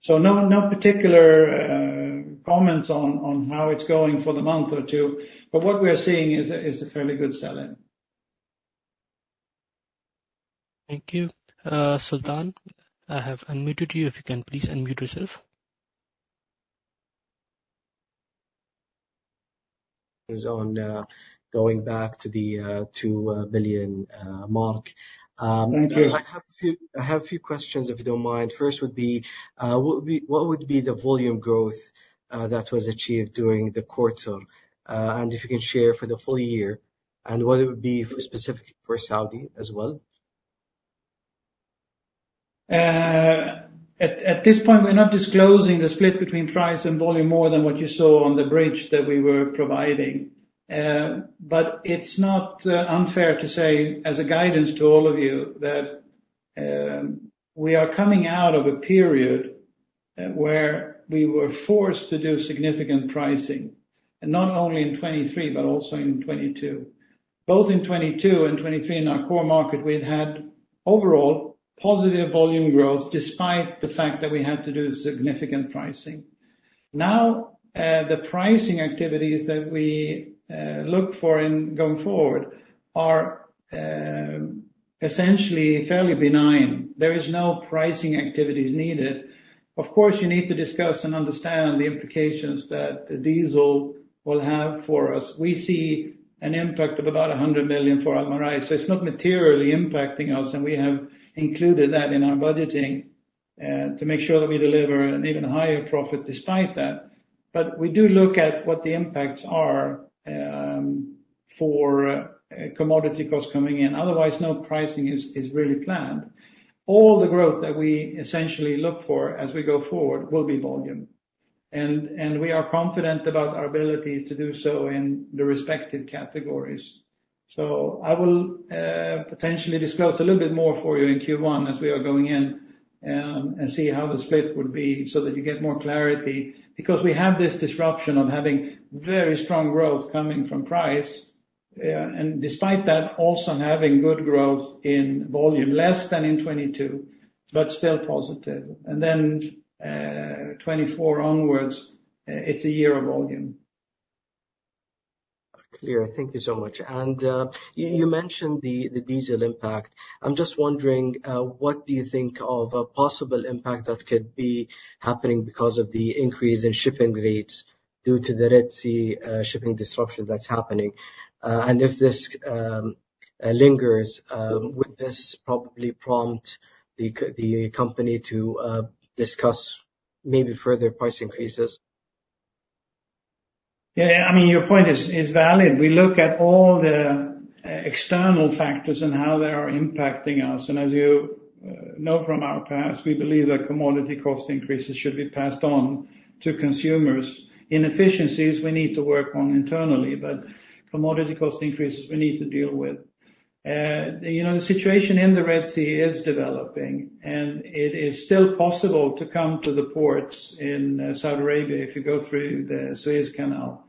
So no particular comments on how it's going for the month or two, but what we are seeing is a fairly good sell-in. Thank you. Sultan, I have unmuted you. If you can please unmute yourself. Is on, going back to the 2 billion mark. Thank you. I have a few questions, if you don't mind. First would be, what would be the volume growth that was achieved during the quarter? And if you can share for the full year, and what it would be specifically for Saudi as well. At this point, we're not disclosing the split between price and volume more than what you saw on the bridge that we were providing. But it's not unfair to say, as guidance to all of you, that we are coming out of a period where we were forced to do significant pricing, and not only in 2023, but also in 2022. Both in 2022 and 2023, in our core market, we've had overall positive volume growth, despite the fact that we had to do significant pricing. Now, the pricing activities that we look for going forward are essentially fairly benign. There is no pricing activities needed. Of course, you need to discuss and understand the implications that diesel will have for us. We see an impact of about 100 million for Almarai, so it's not materially impacting us, and we have included that in our budgeting to make sure that we deliver an even higher profit despite that. But we do look at what the impacts are for commodity costs coming in. Otherwise, no pricing is really planned. All the growth that we essentially look for as we go forward will be volume. And we are confident about our ability to do so in the respective categories. So I will potentially disclose a little bit more for you in Q1 as we are going in and see how the split would be so that you get more clarity. Because we have this disruption of having very strong growth coming from price, and despite that, also having good growth in volume, less than in 2022, but still positive. And then, 2024 onwards, it's a year of volume. Clear. Thank you so much. And you mentioned the diesel impact. I'm just wondering what do you think of a possible impact that could be happening because of the increase in shipping rates due to the Red Sea shipping disruption that's happening? And if this lingers, would this probably prompt the company to discuss maybe further price increases? Yeah, I mean, your point is, is valid. We look at all the external factors and how they are impacting us. And as you know from our past, we believe that commodity cost increases should be passed on to consumers. Inefficiencies, we need to work on internally, but commodity cost increases, we need to deal with. You know, the situation in the Red Sea is developing, and it is still possible to come to the ports in Saudi Arabia if you go through the Suez Canal.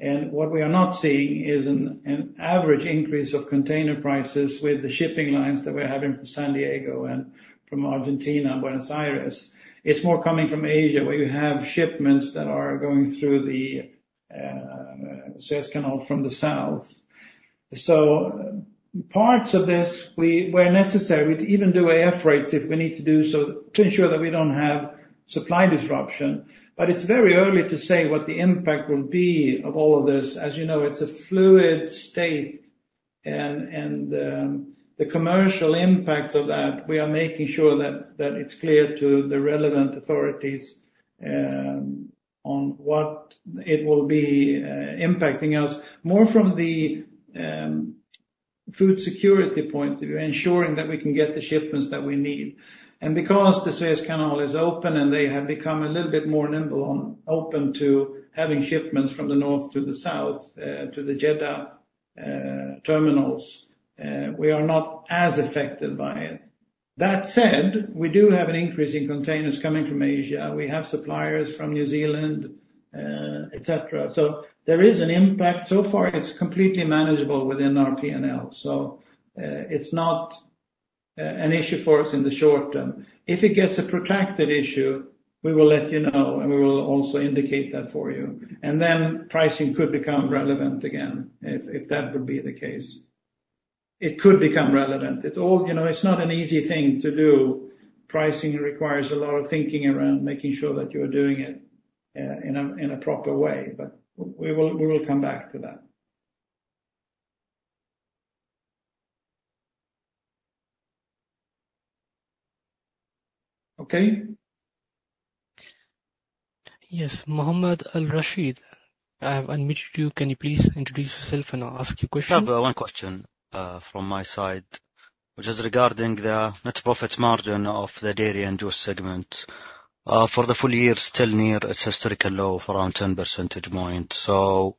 And what we are not seeing is an, an average increase of container prices with the shipping lines that we're having from San Diego and from Argentina, Buenos Aires. It's more coming from Asia, where you have shipments that are going through the Suez Canal from the south. So parts of this, where necessary, we'd even do AF rates if we need to do so, to ensure that we don't have supply disruption. But it's very early to say what the impact will be of all of this. As you know, it's a fluid state, and the commercial impacts of that, we are making sure that it's clear to the relevant authorities on what it will be impacting us. More from the food security point of view, ensuring that we can get the shipments that we need. And because the Suez Canal is open, and they have become a little bit more nimble on open to having shipments from the north to the south to the Jeddah terminals, we are not as affected by it. That said, we do have an increase in containers coming from Asia. We have suppliers from New Zealand, et cetera. So there is an impact. So far, it's completely manageable within our P&L, so, it's not an issue for us in the short term. If it gets a protracted issue, we will let you know, and we will also indicate that for you. And then, pricing could become relevant again, if that would be the case. It could become relevant. It all, you know, it's not an easy thing to do. Pricing requires a lot of thinking around, making sure that you're doing it in a proper way, but we will come back to that. Okay? Yes, Mohammed Al-Rashid, I have unmuted you. Can you please introduce yourself and ask your question? I have one question from my side, which is regarding the net profit margin of the dairy and juice segment. For the full year, still near its historical low of around 10 percentage points. So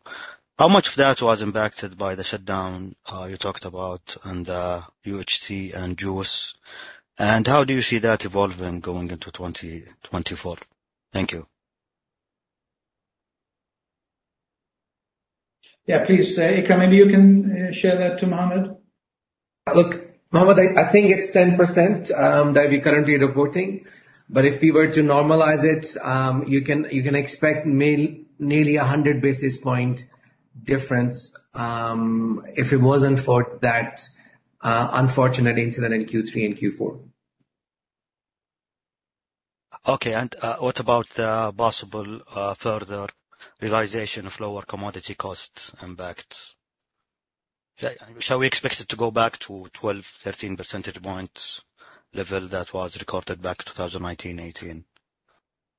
how much of that was impacted by the shutdown you talked about in the UHT and juice? And how do you see that evolving going into 2024? Thank you. Yeah, please, Ikram, maybe you can share that to Mohammed. Look, Mohammed, I think it's 10% that we're currently reporting, but if we were to normalize it, you can expect nearly 100 basis points difference, if it wasn't for that unfortunate incident in Q3 and Q4. Okay, and what about the possible further realization of lower commodity costs impacted? Shall we expect it to go back to 12-13 percentage points level that was recorded back in 2019, 2018?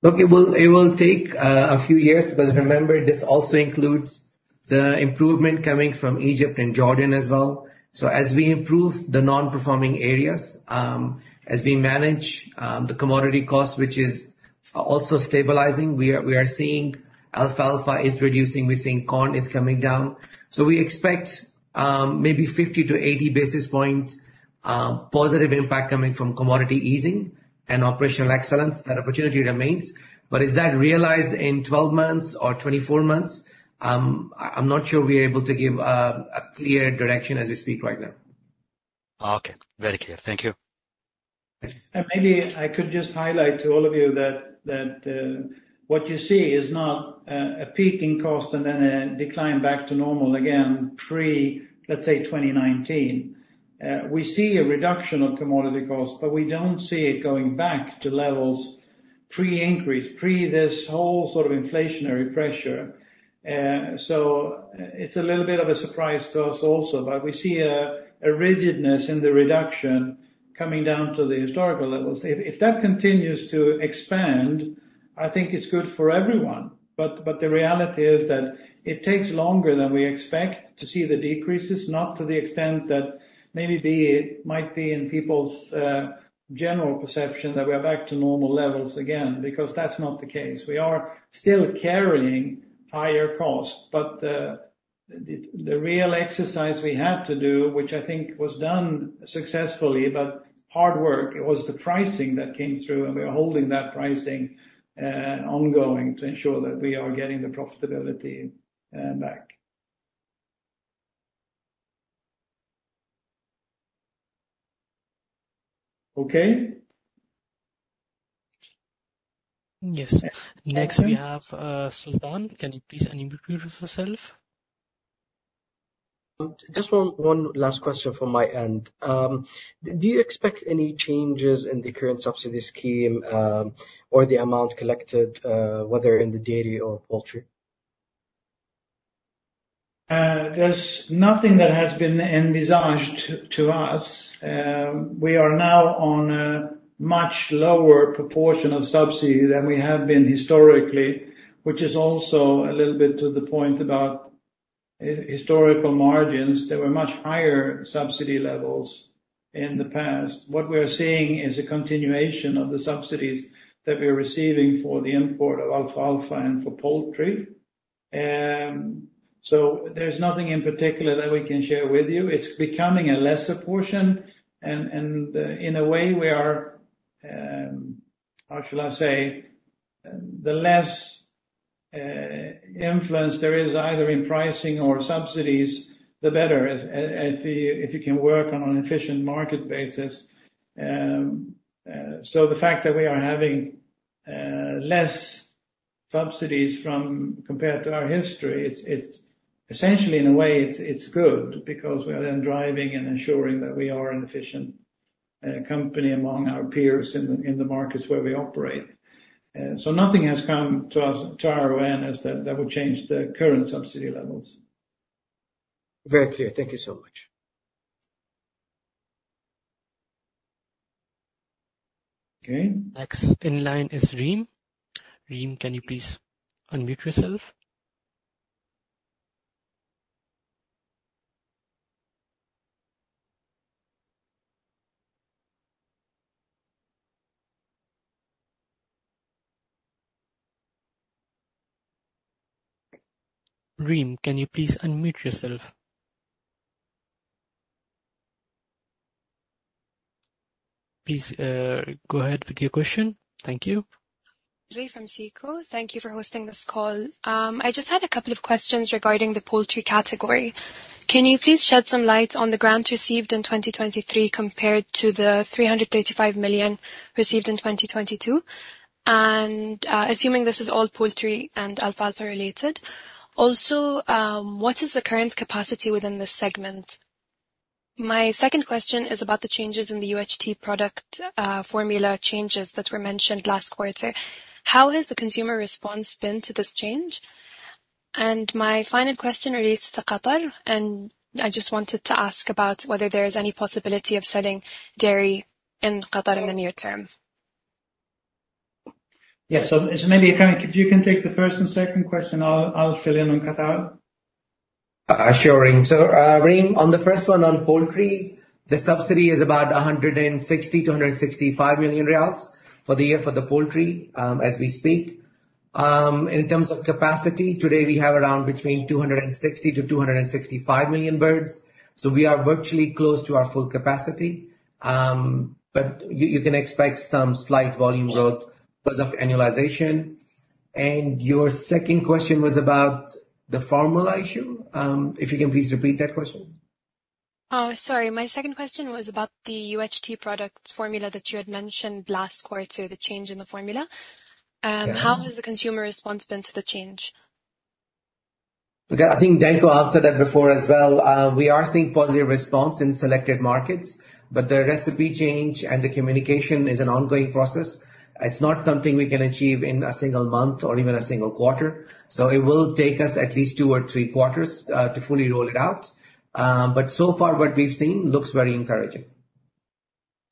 Look, it will take a few years, but remember, this also includes the improvement coming from Egypt and Jordan as well. So as we improve the non-performing areas, as we manage the commodity cost, which is also stabilizing, we are seeing alfalfa is reducing, we're seeing corn is coming down. So we expect maybe 50-80 basis points positive impact coming from commodity easing and operational excellence. That opportunity remains. But is that realized in 12 months or 24 months? I'm not sure we are able to give a clear direction as we speak right now. Okay, very clear. Thank you. And maybe I could just highlight to all of you that what you see is not a peaking cost and then a decline back to normal again, pre, let's say, 2019. We see a reduction of commodity costs, but we don't see it going back to levels pre-increase, pre this whole sort of inflationary pressure. So it's a little bit of a surprise to us also, but we see a rigidness in the reduction coming down to the historical levels. If that continues to expand, I think it's good for everyone, but the reality is that it takes longer than we expect to see the decreases, not to the extent that maybe they might be in people's general perception that we are back to normal levels again, because that's not the case. We are still carrying higher costs, but the real exercise we had to do, which I think was done successfully, but hard work, it was the pricing that came through, and we are holding that pricing ongoing to ensure that we are getting the profitability back. Okay? Yes. Next, we have, Sultan. Can you please introduce yourself? Just one, one last question from my end. Do you expect any changes in the current subsidy scheme, or the amount collected, whether in the dairy or poultry? There's nothing that has been envisaged to, to us. We are now on a much lower proportion of subsidy than we have been historically, which is also a little bit to the point about historical margins. There were much higher subsidy levels in the past. What we are seeing is a continuation of the subsidies that we're receiving for the import of alfalfa and for poultry. So there's nothing in particular that we can share with you. It's becoming a lesser portion, and, and in a way, we are, how shall I say? The less influence there is either in pricing or subsidies, the better, if you, if you can work on an efficient market basis. So the fact that we are having less subsidies from compared to our history, it's essentially in a way, it's good because we are then driving and ensuring that we are an efficient company among our peers in the markets where we operate. So nothing has come to us, to our awareness that would change the current subsidy levels. Very clear. Thank you so much. Okay. Next in line is Reem. Reem, can you please unmute yourself? Reem, can you please unmute yourself? Please, go ahead with your question. Thank you. Reem from SICO. Thank you for hosting this call. I just had a couple of questions regarding the poultry category. Can you please shed some light on the grant received in 2023 compared to the 335 million received in 2022? And, assuming this is all poultry and alfalfa related. Also, what is the current capacity within this segment? My second question is about the changes in the UHT product, formula changes that were mentioned last quarter. How has the consumer response been to this change? And my final question relates to Qatar, and I just wanted to ask about whether there is any possibility of selling dairy in Qatar in the near term. Yes. So maybe, Irfan, if you can take the first and second question, I'll fill in on Qatar. Sure, Reem. So, Reem, on the first one on poultry, the subsidy is about 160 million-165 million riyals for the year for the poultry, as we speak. In terms of capacity, today, we have around between 260 million-265 million birds, so we are virtually close to our full capacity. But you, you can expect some slight volume growth because of annualization. And your second question was about the formula issue? If you can please repeat that question. Sorry. My second question was about the UHT product formula that you had mentioned last quarter, the change in the formula. Yeah. How has the consumer response been to the change? I think Danko answered that before as well. We are seeing positive response in selected markets, but the recipe change and the communication is an ongoing process. It's not something we can achieve in a single month or even a single quarter. So it will take us at least two or three quarters to fully roll it out. But so far, what we've seen looks very encouraging.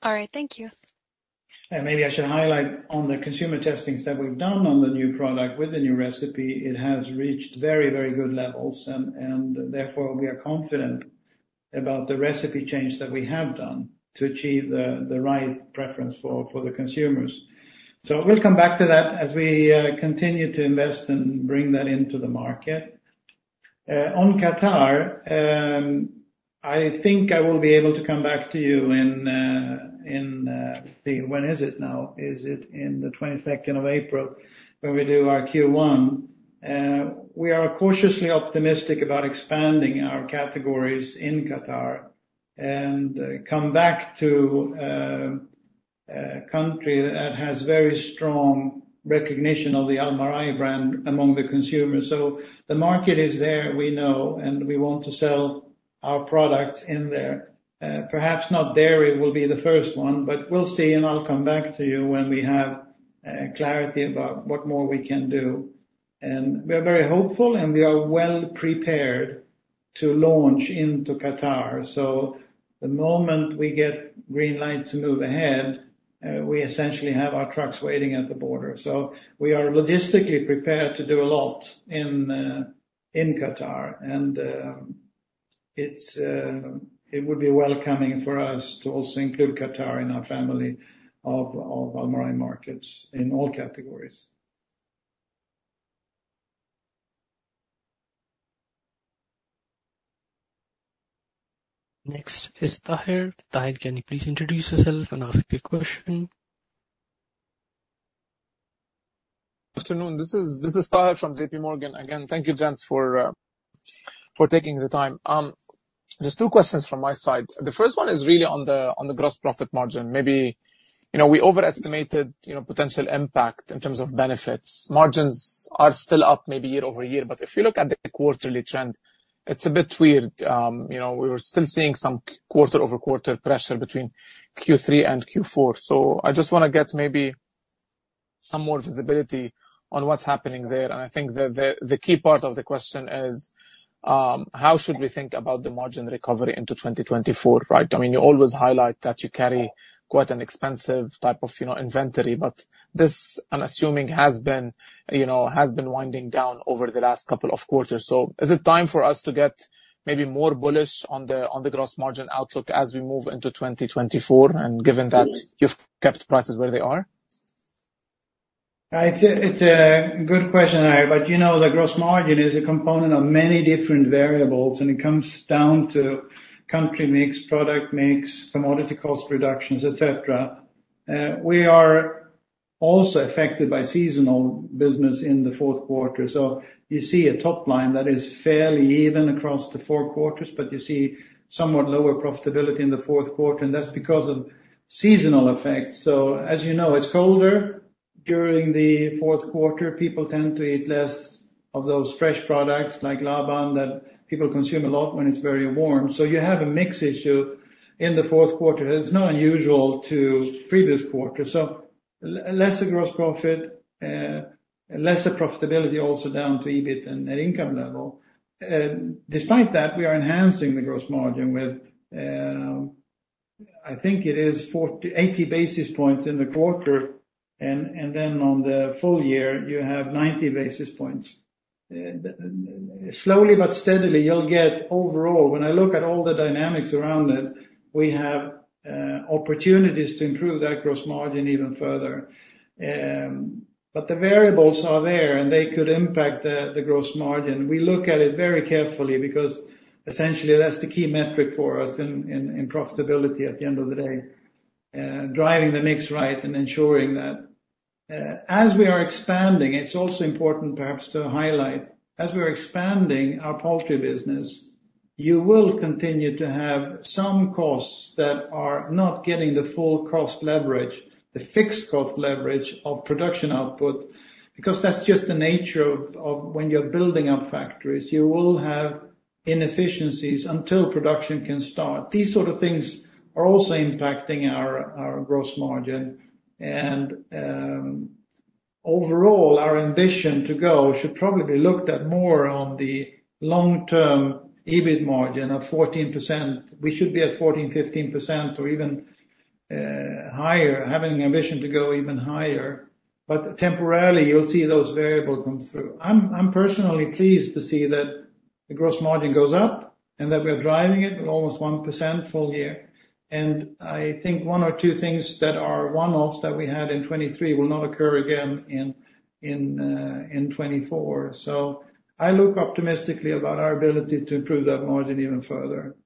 All right, thank you. Maybe I should highlight on the consumer testings that we've done on the new product with the new recipe. It has reached very, very good levels, and therefore, we are confident about the recipe change that we have done to achieve the right preference for the consumers. So we'll come back to that as we continue to invest and bring that into the market. On Qatar, I think I will be able to come back to you in the... When is it now? Is it in the 22nd of April, when we do our Q1. We are cautiously optimistic about expanding our categories in Qatar and come back to a country that has very strong recognition of the Almarai brand among the consumers. So the market is there, we know, and we want to sell our products in there. Perhaps not dairy will be the first one, but we'll see, and I'll come back to you when we have clarity about what more we can do. And we are very hopeful, and we are well prepared to launch into Qatar. So the moment we get green light to move ahead, we essentially have our trucks waiting at the border. So we are logistically prepared to do a lot in in Qatar, and it's it would be welcoming for us to also include Qatar in our family of of Almarai markets in all categories. Next is Taher. Taher, can you please introduce yourself and ask your question? Good afternoon. This is, this is Taher from JP Morgan. Again, thank you, gents, for taking the time. There's two questions from my side. The first one is really on the gross profit margin. Maybe, you know, we overestimated, you know, potential impact in terms of benefits. Margins are still up, maybe year-over-year, but if you look at the quarterly trend, it's a bit weird. You know, we were still seeing some quarter-over-quarter pressure between Q3 and Q4. So I just wanna get maybe some more visibility on what's happening there. And I think the, the, the key part of the question is how should we think about the margin recovery into 2024, right? I mean, you always highlight that you carry quite an expensive type of, you know, inventory, but this, I'm assuming, has been, you know, has been winding down over the last couple of quarters. So is it time for us to get maybe more bullish on the, on the gross margin outlook as we move into 2024, and given that you've kept prices where they are?... It's a, it's a good question, Taher, but you know, the gross margin is a component of many different variables, and it comes down to country mix, product mix, commodity cost reductions, et cetera. We are also affected by seasonal business in the fourth quarter. So you see a top line that is fairly even across the four quarters, but you see somewhat lower profitability in the fourth quarter, and that's because of seasonal effects. So as you know, it's colder during the fourth quarter. People tend to eat less of those fresh products, like laban, that people consume a lot when it's very warm. So you have a mix issue in the fourth quarter. It's not unusual to previous quarters. So lesser gross profit, lesser profitability, also down to EBIT and net income level. Despite that, we are enhancing the gross margin with, I think it is 48 basis points in the quarter, and, and then on the full year, you have 90 basis points. Slowly but steadily, you'll get overall... When I look at all the dynamics around it, we have opportunities to improve that gross margin even further. But the variables are there, and they could impact the gross margin. We look at it very carefully because essentially, that's the key metric for us in profitability at the end of the day, driving the mix right and ensuring that. As we are expanding, it's also important perhaps to highlight, as we are expanding our poultry business, you will continue to have some costs that are not getting the full cost leverage, the fixed cost leverage of production output, because that's just the nature of when you're building up factories. You will have inefficiencies until production can start. These sort of things are also impacting our gross margin, and overall, our ambition to go should probably be looked at more on the long-term EBIT margin of 14%. We should be at 14%, 15% or even higher, having an ambition to go even higher, but temporarily, you'll see those variables come through. I'm personally pleased to see that the gross margin goes up and that we're driving it with almost 1% full year. I think one or two things that are one-offs that we had in 2023 will not occur again in 2024. So I look optimistically about our ability to improve that margin even further,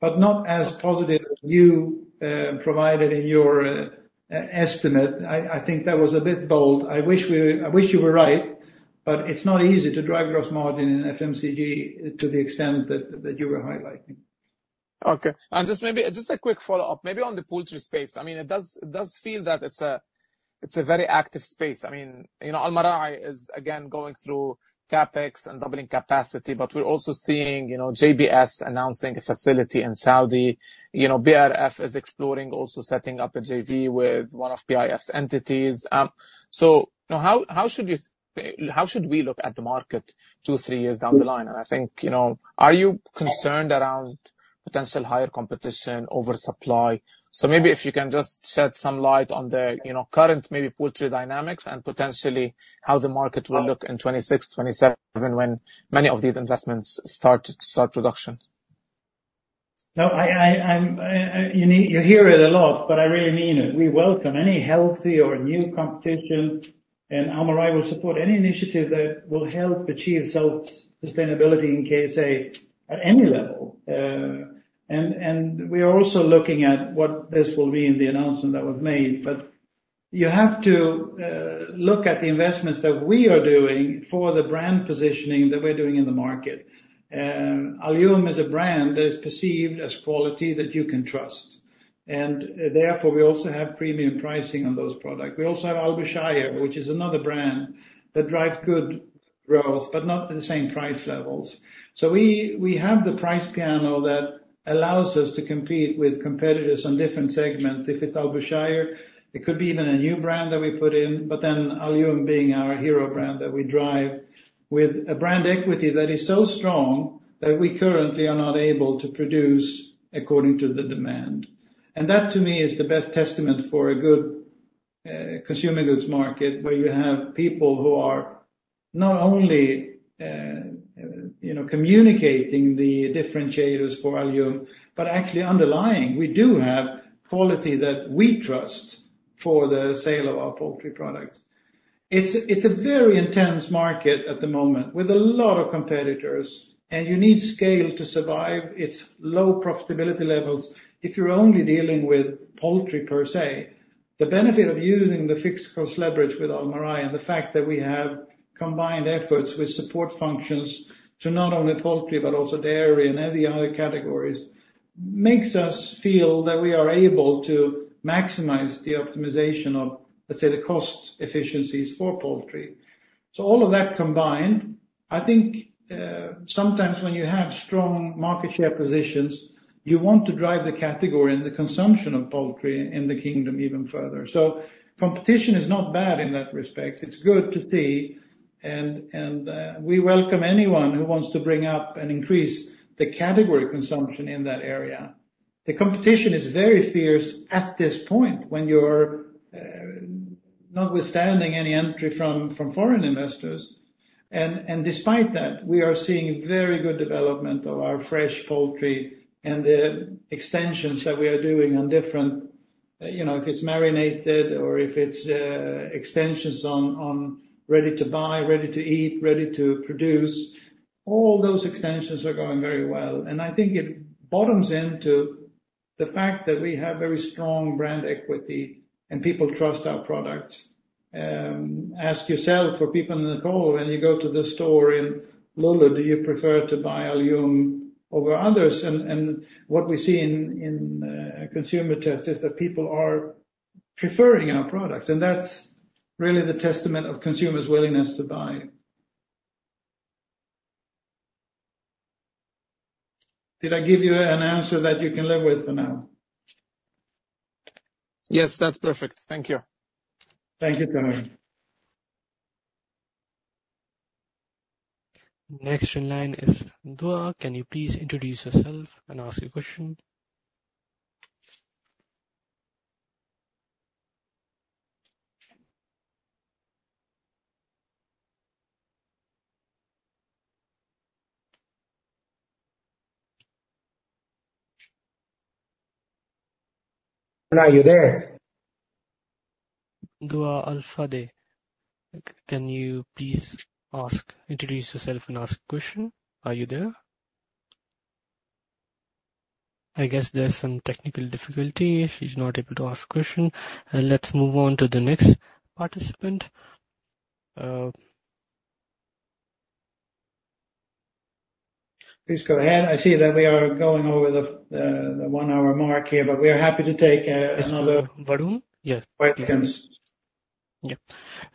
but not as positive as you provided in your estimate. I think that was a bit bold. I wish we, I wish you were right, but it's not easy to drive gross margin in FMCG to the extent that you were highlighting. Okay, and just maybe, just a quick follow-up, maybe on the poultry space. I mean, it does, it does feel that it's a, it's a very active space. I mean, you know, Almarai is, again, going through CapEx and doubling capacity, but we're also seeing, you know, JBS announcing a facility in Saudi. You know, BRF is exploring, also setting up a JV with one of PIF's entities. So how, how should you- how should we look at the market two, three years down the line? And I think, you know, are you concerned around potential higher competition, oversupply? So maybe if you can just shed some light on the, you know, current, maybe poultry dynamics and potentially how the market will look in 2026, 2027, when many of these investments start to production. No, you hear it a lot, but I really mean it. We welcome any healthy or new competition, and Almarai will support any initiative that will help achieve self-sustainability in KSA at any level. We are also looking at what this will be in the announcement that was made. But you have to look at the investments that we are doing for the brand positioning that we're doing in the market. Alyoum is a brand that is perceived as quality that you can trust, and therefore, we also have premium pricing on those products. We also have Albashayer, which is another brand that drives good growth, but not at the same price levels. So we have the price piano that allows us to compete with competitors on different segments. If it's Albashayer, it could be even a new brand that we put in, but then Alyoum being our hero brand, that we drive with a brand equity that is so strong that we currently are not able to produce according to the demand. And that, to me, is the best testament for a good consumer goods market, where you have people who are not only, you know, communicating the differentiators for Alyoum, but actually underlying, we do have quality that we trust for the sale of our poultry products. It's a very intense market at the moment, with a lot of competitors, and you need scale to survive. It's low profitability levels if you're only dealing with poultry per se. The benefit of using the fixed cost leverage with Almarai, and the fact that we have combined efforts with support functions to not only poultry, but also dairy and any other categories, makes us feel that we are able to maximize the optimization of, let's say, the cost efficiencies for poultry. So all of that combined, I think, sometimes when you have strong market share positions, you want to drive the category and the consumption of poultry in the kingdom even further. So competition is not bad in that respect. It's good to see, and, and, we welcome anyone who wants to bring up and increase the category consumption in that area. The competition is very fierce at this point, when you're, notwithstanding any entry from foreign investors. And despite that, we are seeing very good development of our fresh poultry and the extensions that we are doing on different, you know, if it's marinated or if it's extensions on ready to buy, ready to eat, ready to produce, all those extensions are going very well. And I think it bottoms into the fact that we have very strong brand equity and people trust our products. Ask yourself, for people on the call, when you go to the store in LuLu, do you prefer to buy Alyoum over others? And what we see in consumer tests is that people are preferring our products, and that's really the testament of consumers' willingness to buy. Did I give you an answer that you can live with for now? Yes, that's perfect. Thank you. Thank you, Taher. Next in line is Dua. Can you please introduce yourself and ask your question? Dua, are you there? Duaa Al-Fadda, can you please ask... introduce yourself and ask a question? Are you there? I guess there's some technical difficulty. She's not able to ask a question. Let's move on to the next participant. Please go ahead. I see that we are going over the one-hour mark here, but we are happy to take another- Mr. Varun? Yes. Questions. Yeah.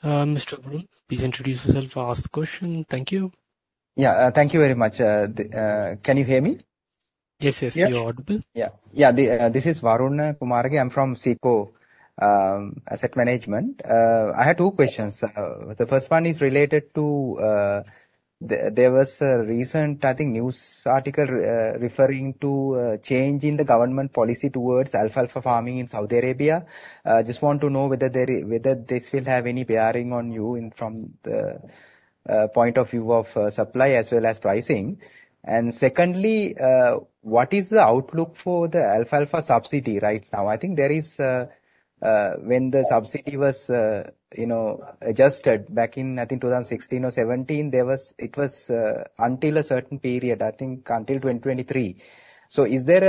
Mr. Varun, please introduce yourself and ask the question. Thank you. Yeah. Thank you very much. Can you hear me? Yes, yes, you're audible. Yeah. Yeah. This is Varun Kumar. I'm from SICO Asset Management. I had two questions. The first one is related to, there was a recent, I think, news article referring to a change in the government policy towards alfalfa farming in Saudi Arabia. Just want to know whether there, whether this will have any bearing on you in, from the point of view of, supply as well as pricing. And secondly, what is the outlook for the alfalfa subsidy right now? I think there is. When the subsidy was, you know, adjusted back in, I think, 2016 or 2017, there was it was, until a certain period, I think until 2023. So is there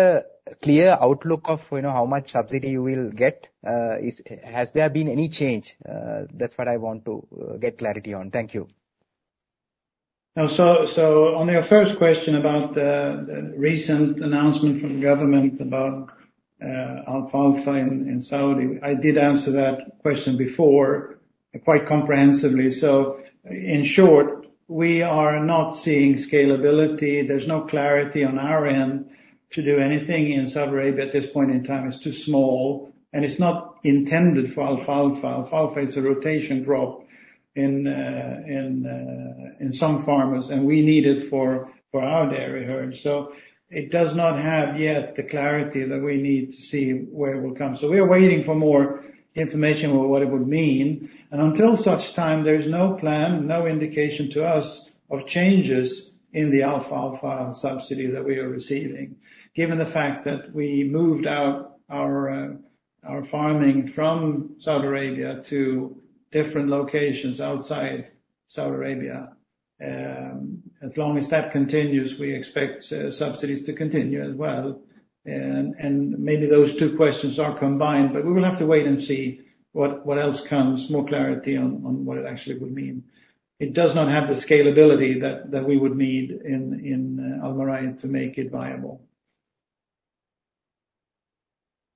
a clear outlook of, you know, how much subsidy you will get? Has there been any change? That's what I want to get clarity on. Thank you. Now, so on your first question about the recent announcement from the government about alfalfa in Saudi, I did answer that question before, quite comprehensively. So in short, we are not seeing scalability. There's no clarity on our end to do anything in Saudi Arabia at this point in time. It's too small, and it's not intended for alfalfa. Alfalfa is a rotation crop in some farmers, and we need it for our dairy herd. So it does not have yet the clarity that we need to see where it will come. So we are waiting for more information on what it would mean. And until such time, there's no plan, no indication to us of changes in the alfalfa subsidy that we are receiving. Given the fact that we moved out our farming from Saudi Arabia to different locations outside Saudi Arabia, as long as that continues, we expect subsidies to continue as well. And maybe those two questions are combined, but we will have to wait and see what else comes, more clarity on what it actually would mean. It does not have the scalability that we would need in Almarai to make it viable.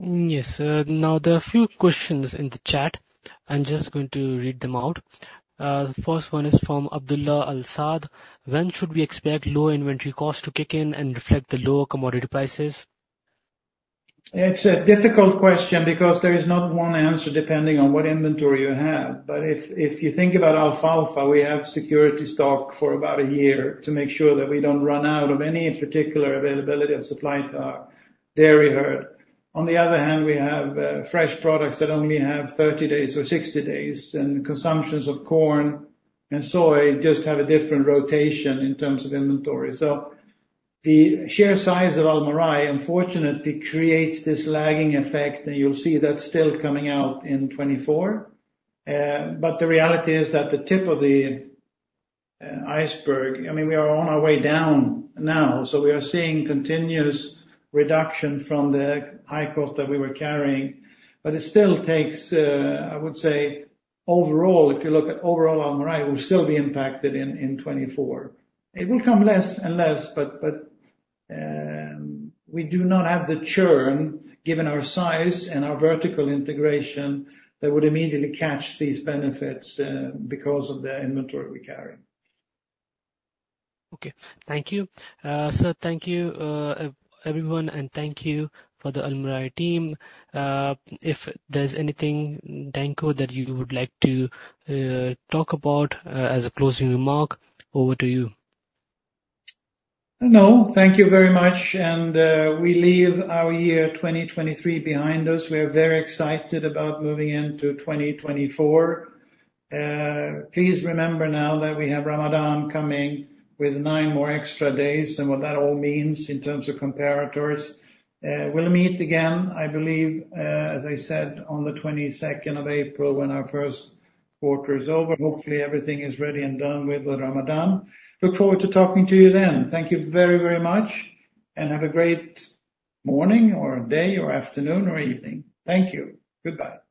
Now, there are a few questions in the chat. I'm just going to read them out. The first one is from Abdullah Al Saad: When should we expect low inventory costs to kick in and reflect the lower commodity prices? It's a difficult question because there is not one answer, depending on what inventory you have. But if you think about alfalfa, we have security stock for about a year to make sure that we don't run out of any particular availability of supply to our dairy herd. On the other hand, we have fresh products that only have 30 days or 60 days, and consumptions of corn and soy just have a different rotation in terms of inventory. So the sheer size of Almarai, unfortunately, creates this lagging effect, and you'll see that still coming out in 2024. But the reality is that the tip of the iceberg... I mean, we are on our way down now, so we are seeing continuous reduction from the high cost that we were carrying. But it still takes, I would say, overall, if you look at overall Almarai, we'll still be impacted in, in 2024. It will come less and less, but, but, we do not have the churn, given our size and our vertical integration, that would immediately catch these benefits, because of the inventory we carry. Okay. Thank you. So thank you, everyone, and thank you for the Almarai team. If there's anything, Danko, that you would like to talk about, as a closing remark, over to you. No, thank you very much, and, we leave our year 2023 behind us. We are very excited about moving into 2024. Please remember now that we have Ramadan coming with nine more extra days, and what that all means in terms of comparators. We'll meet again, I believe, as I said, on the twenty-second of April, when our first quarter is over. Hopefully, everything is ready and done with the Ramadan. Look forward to talking to you then. Thank you very, very much, and have a great morning or day or afternoon or evening. Thank you. Goodbye.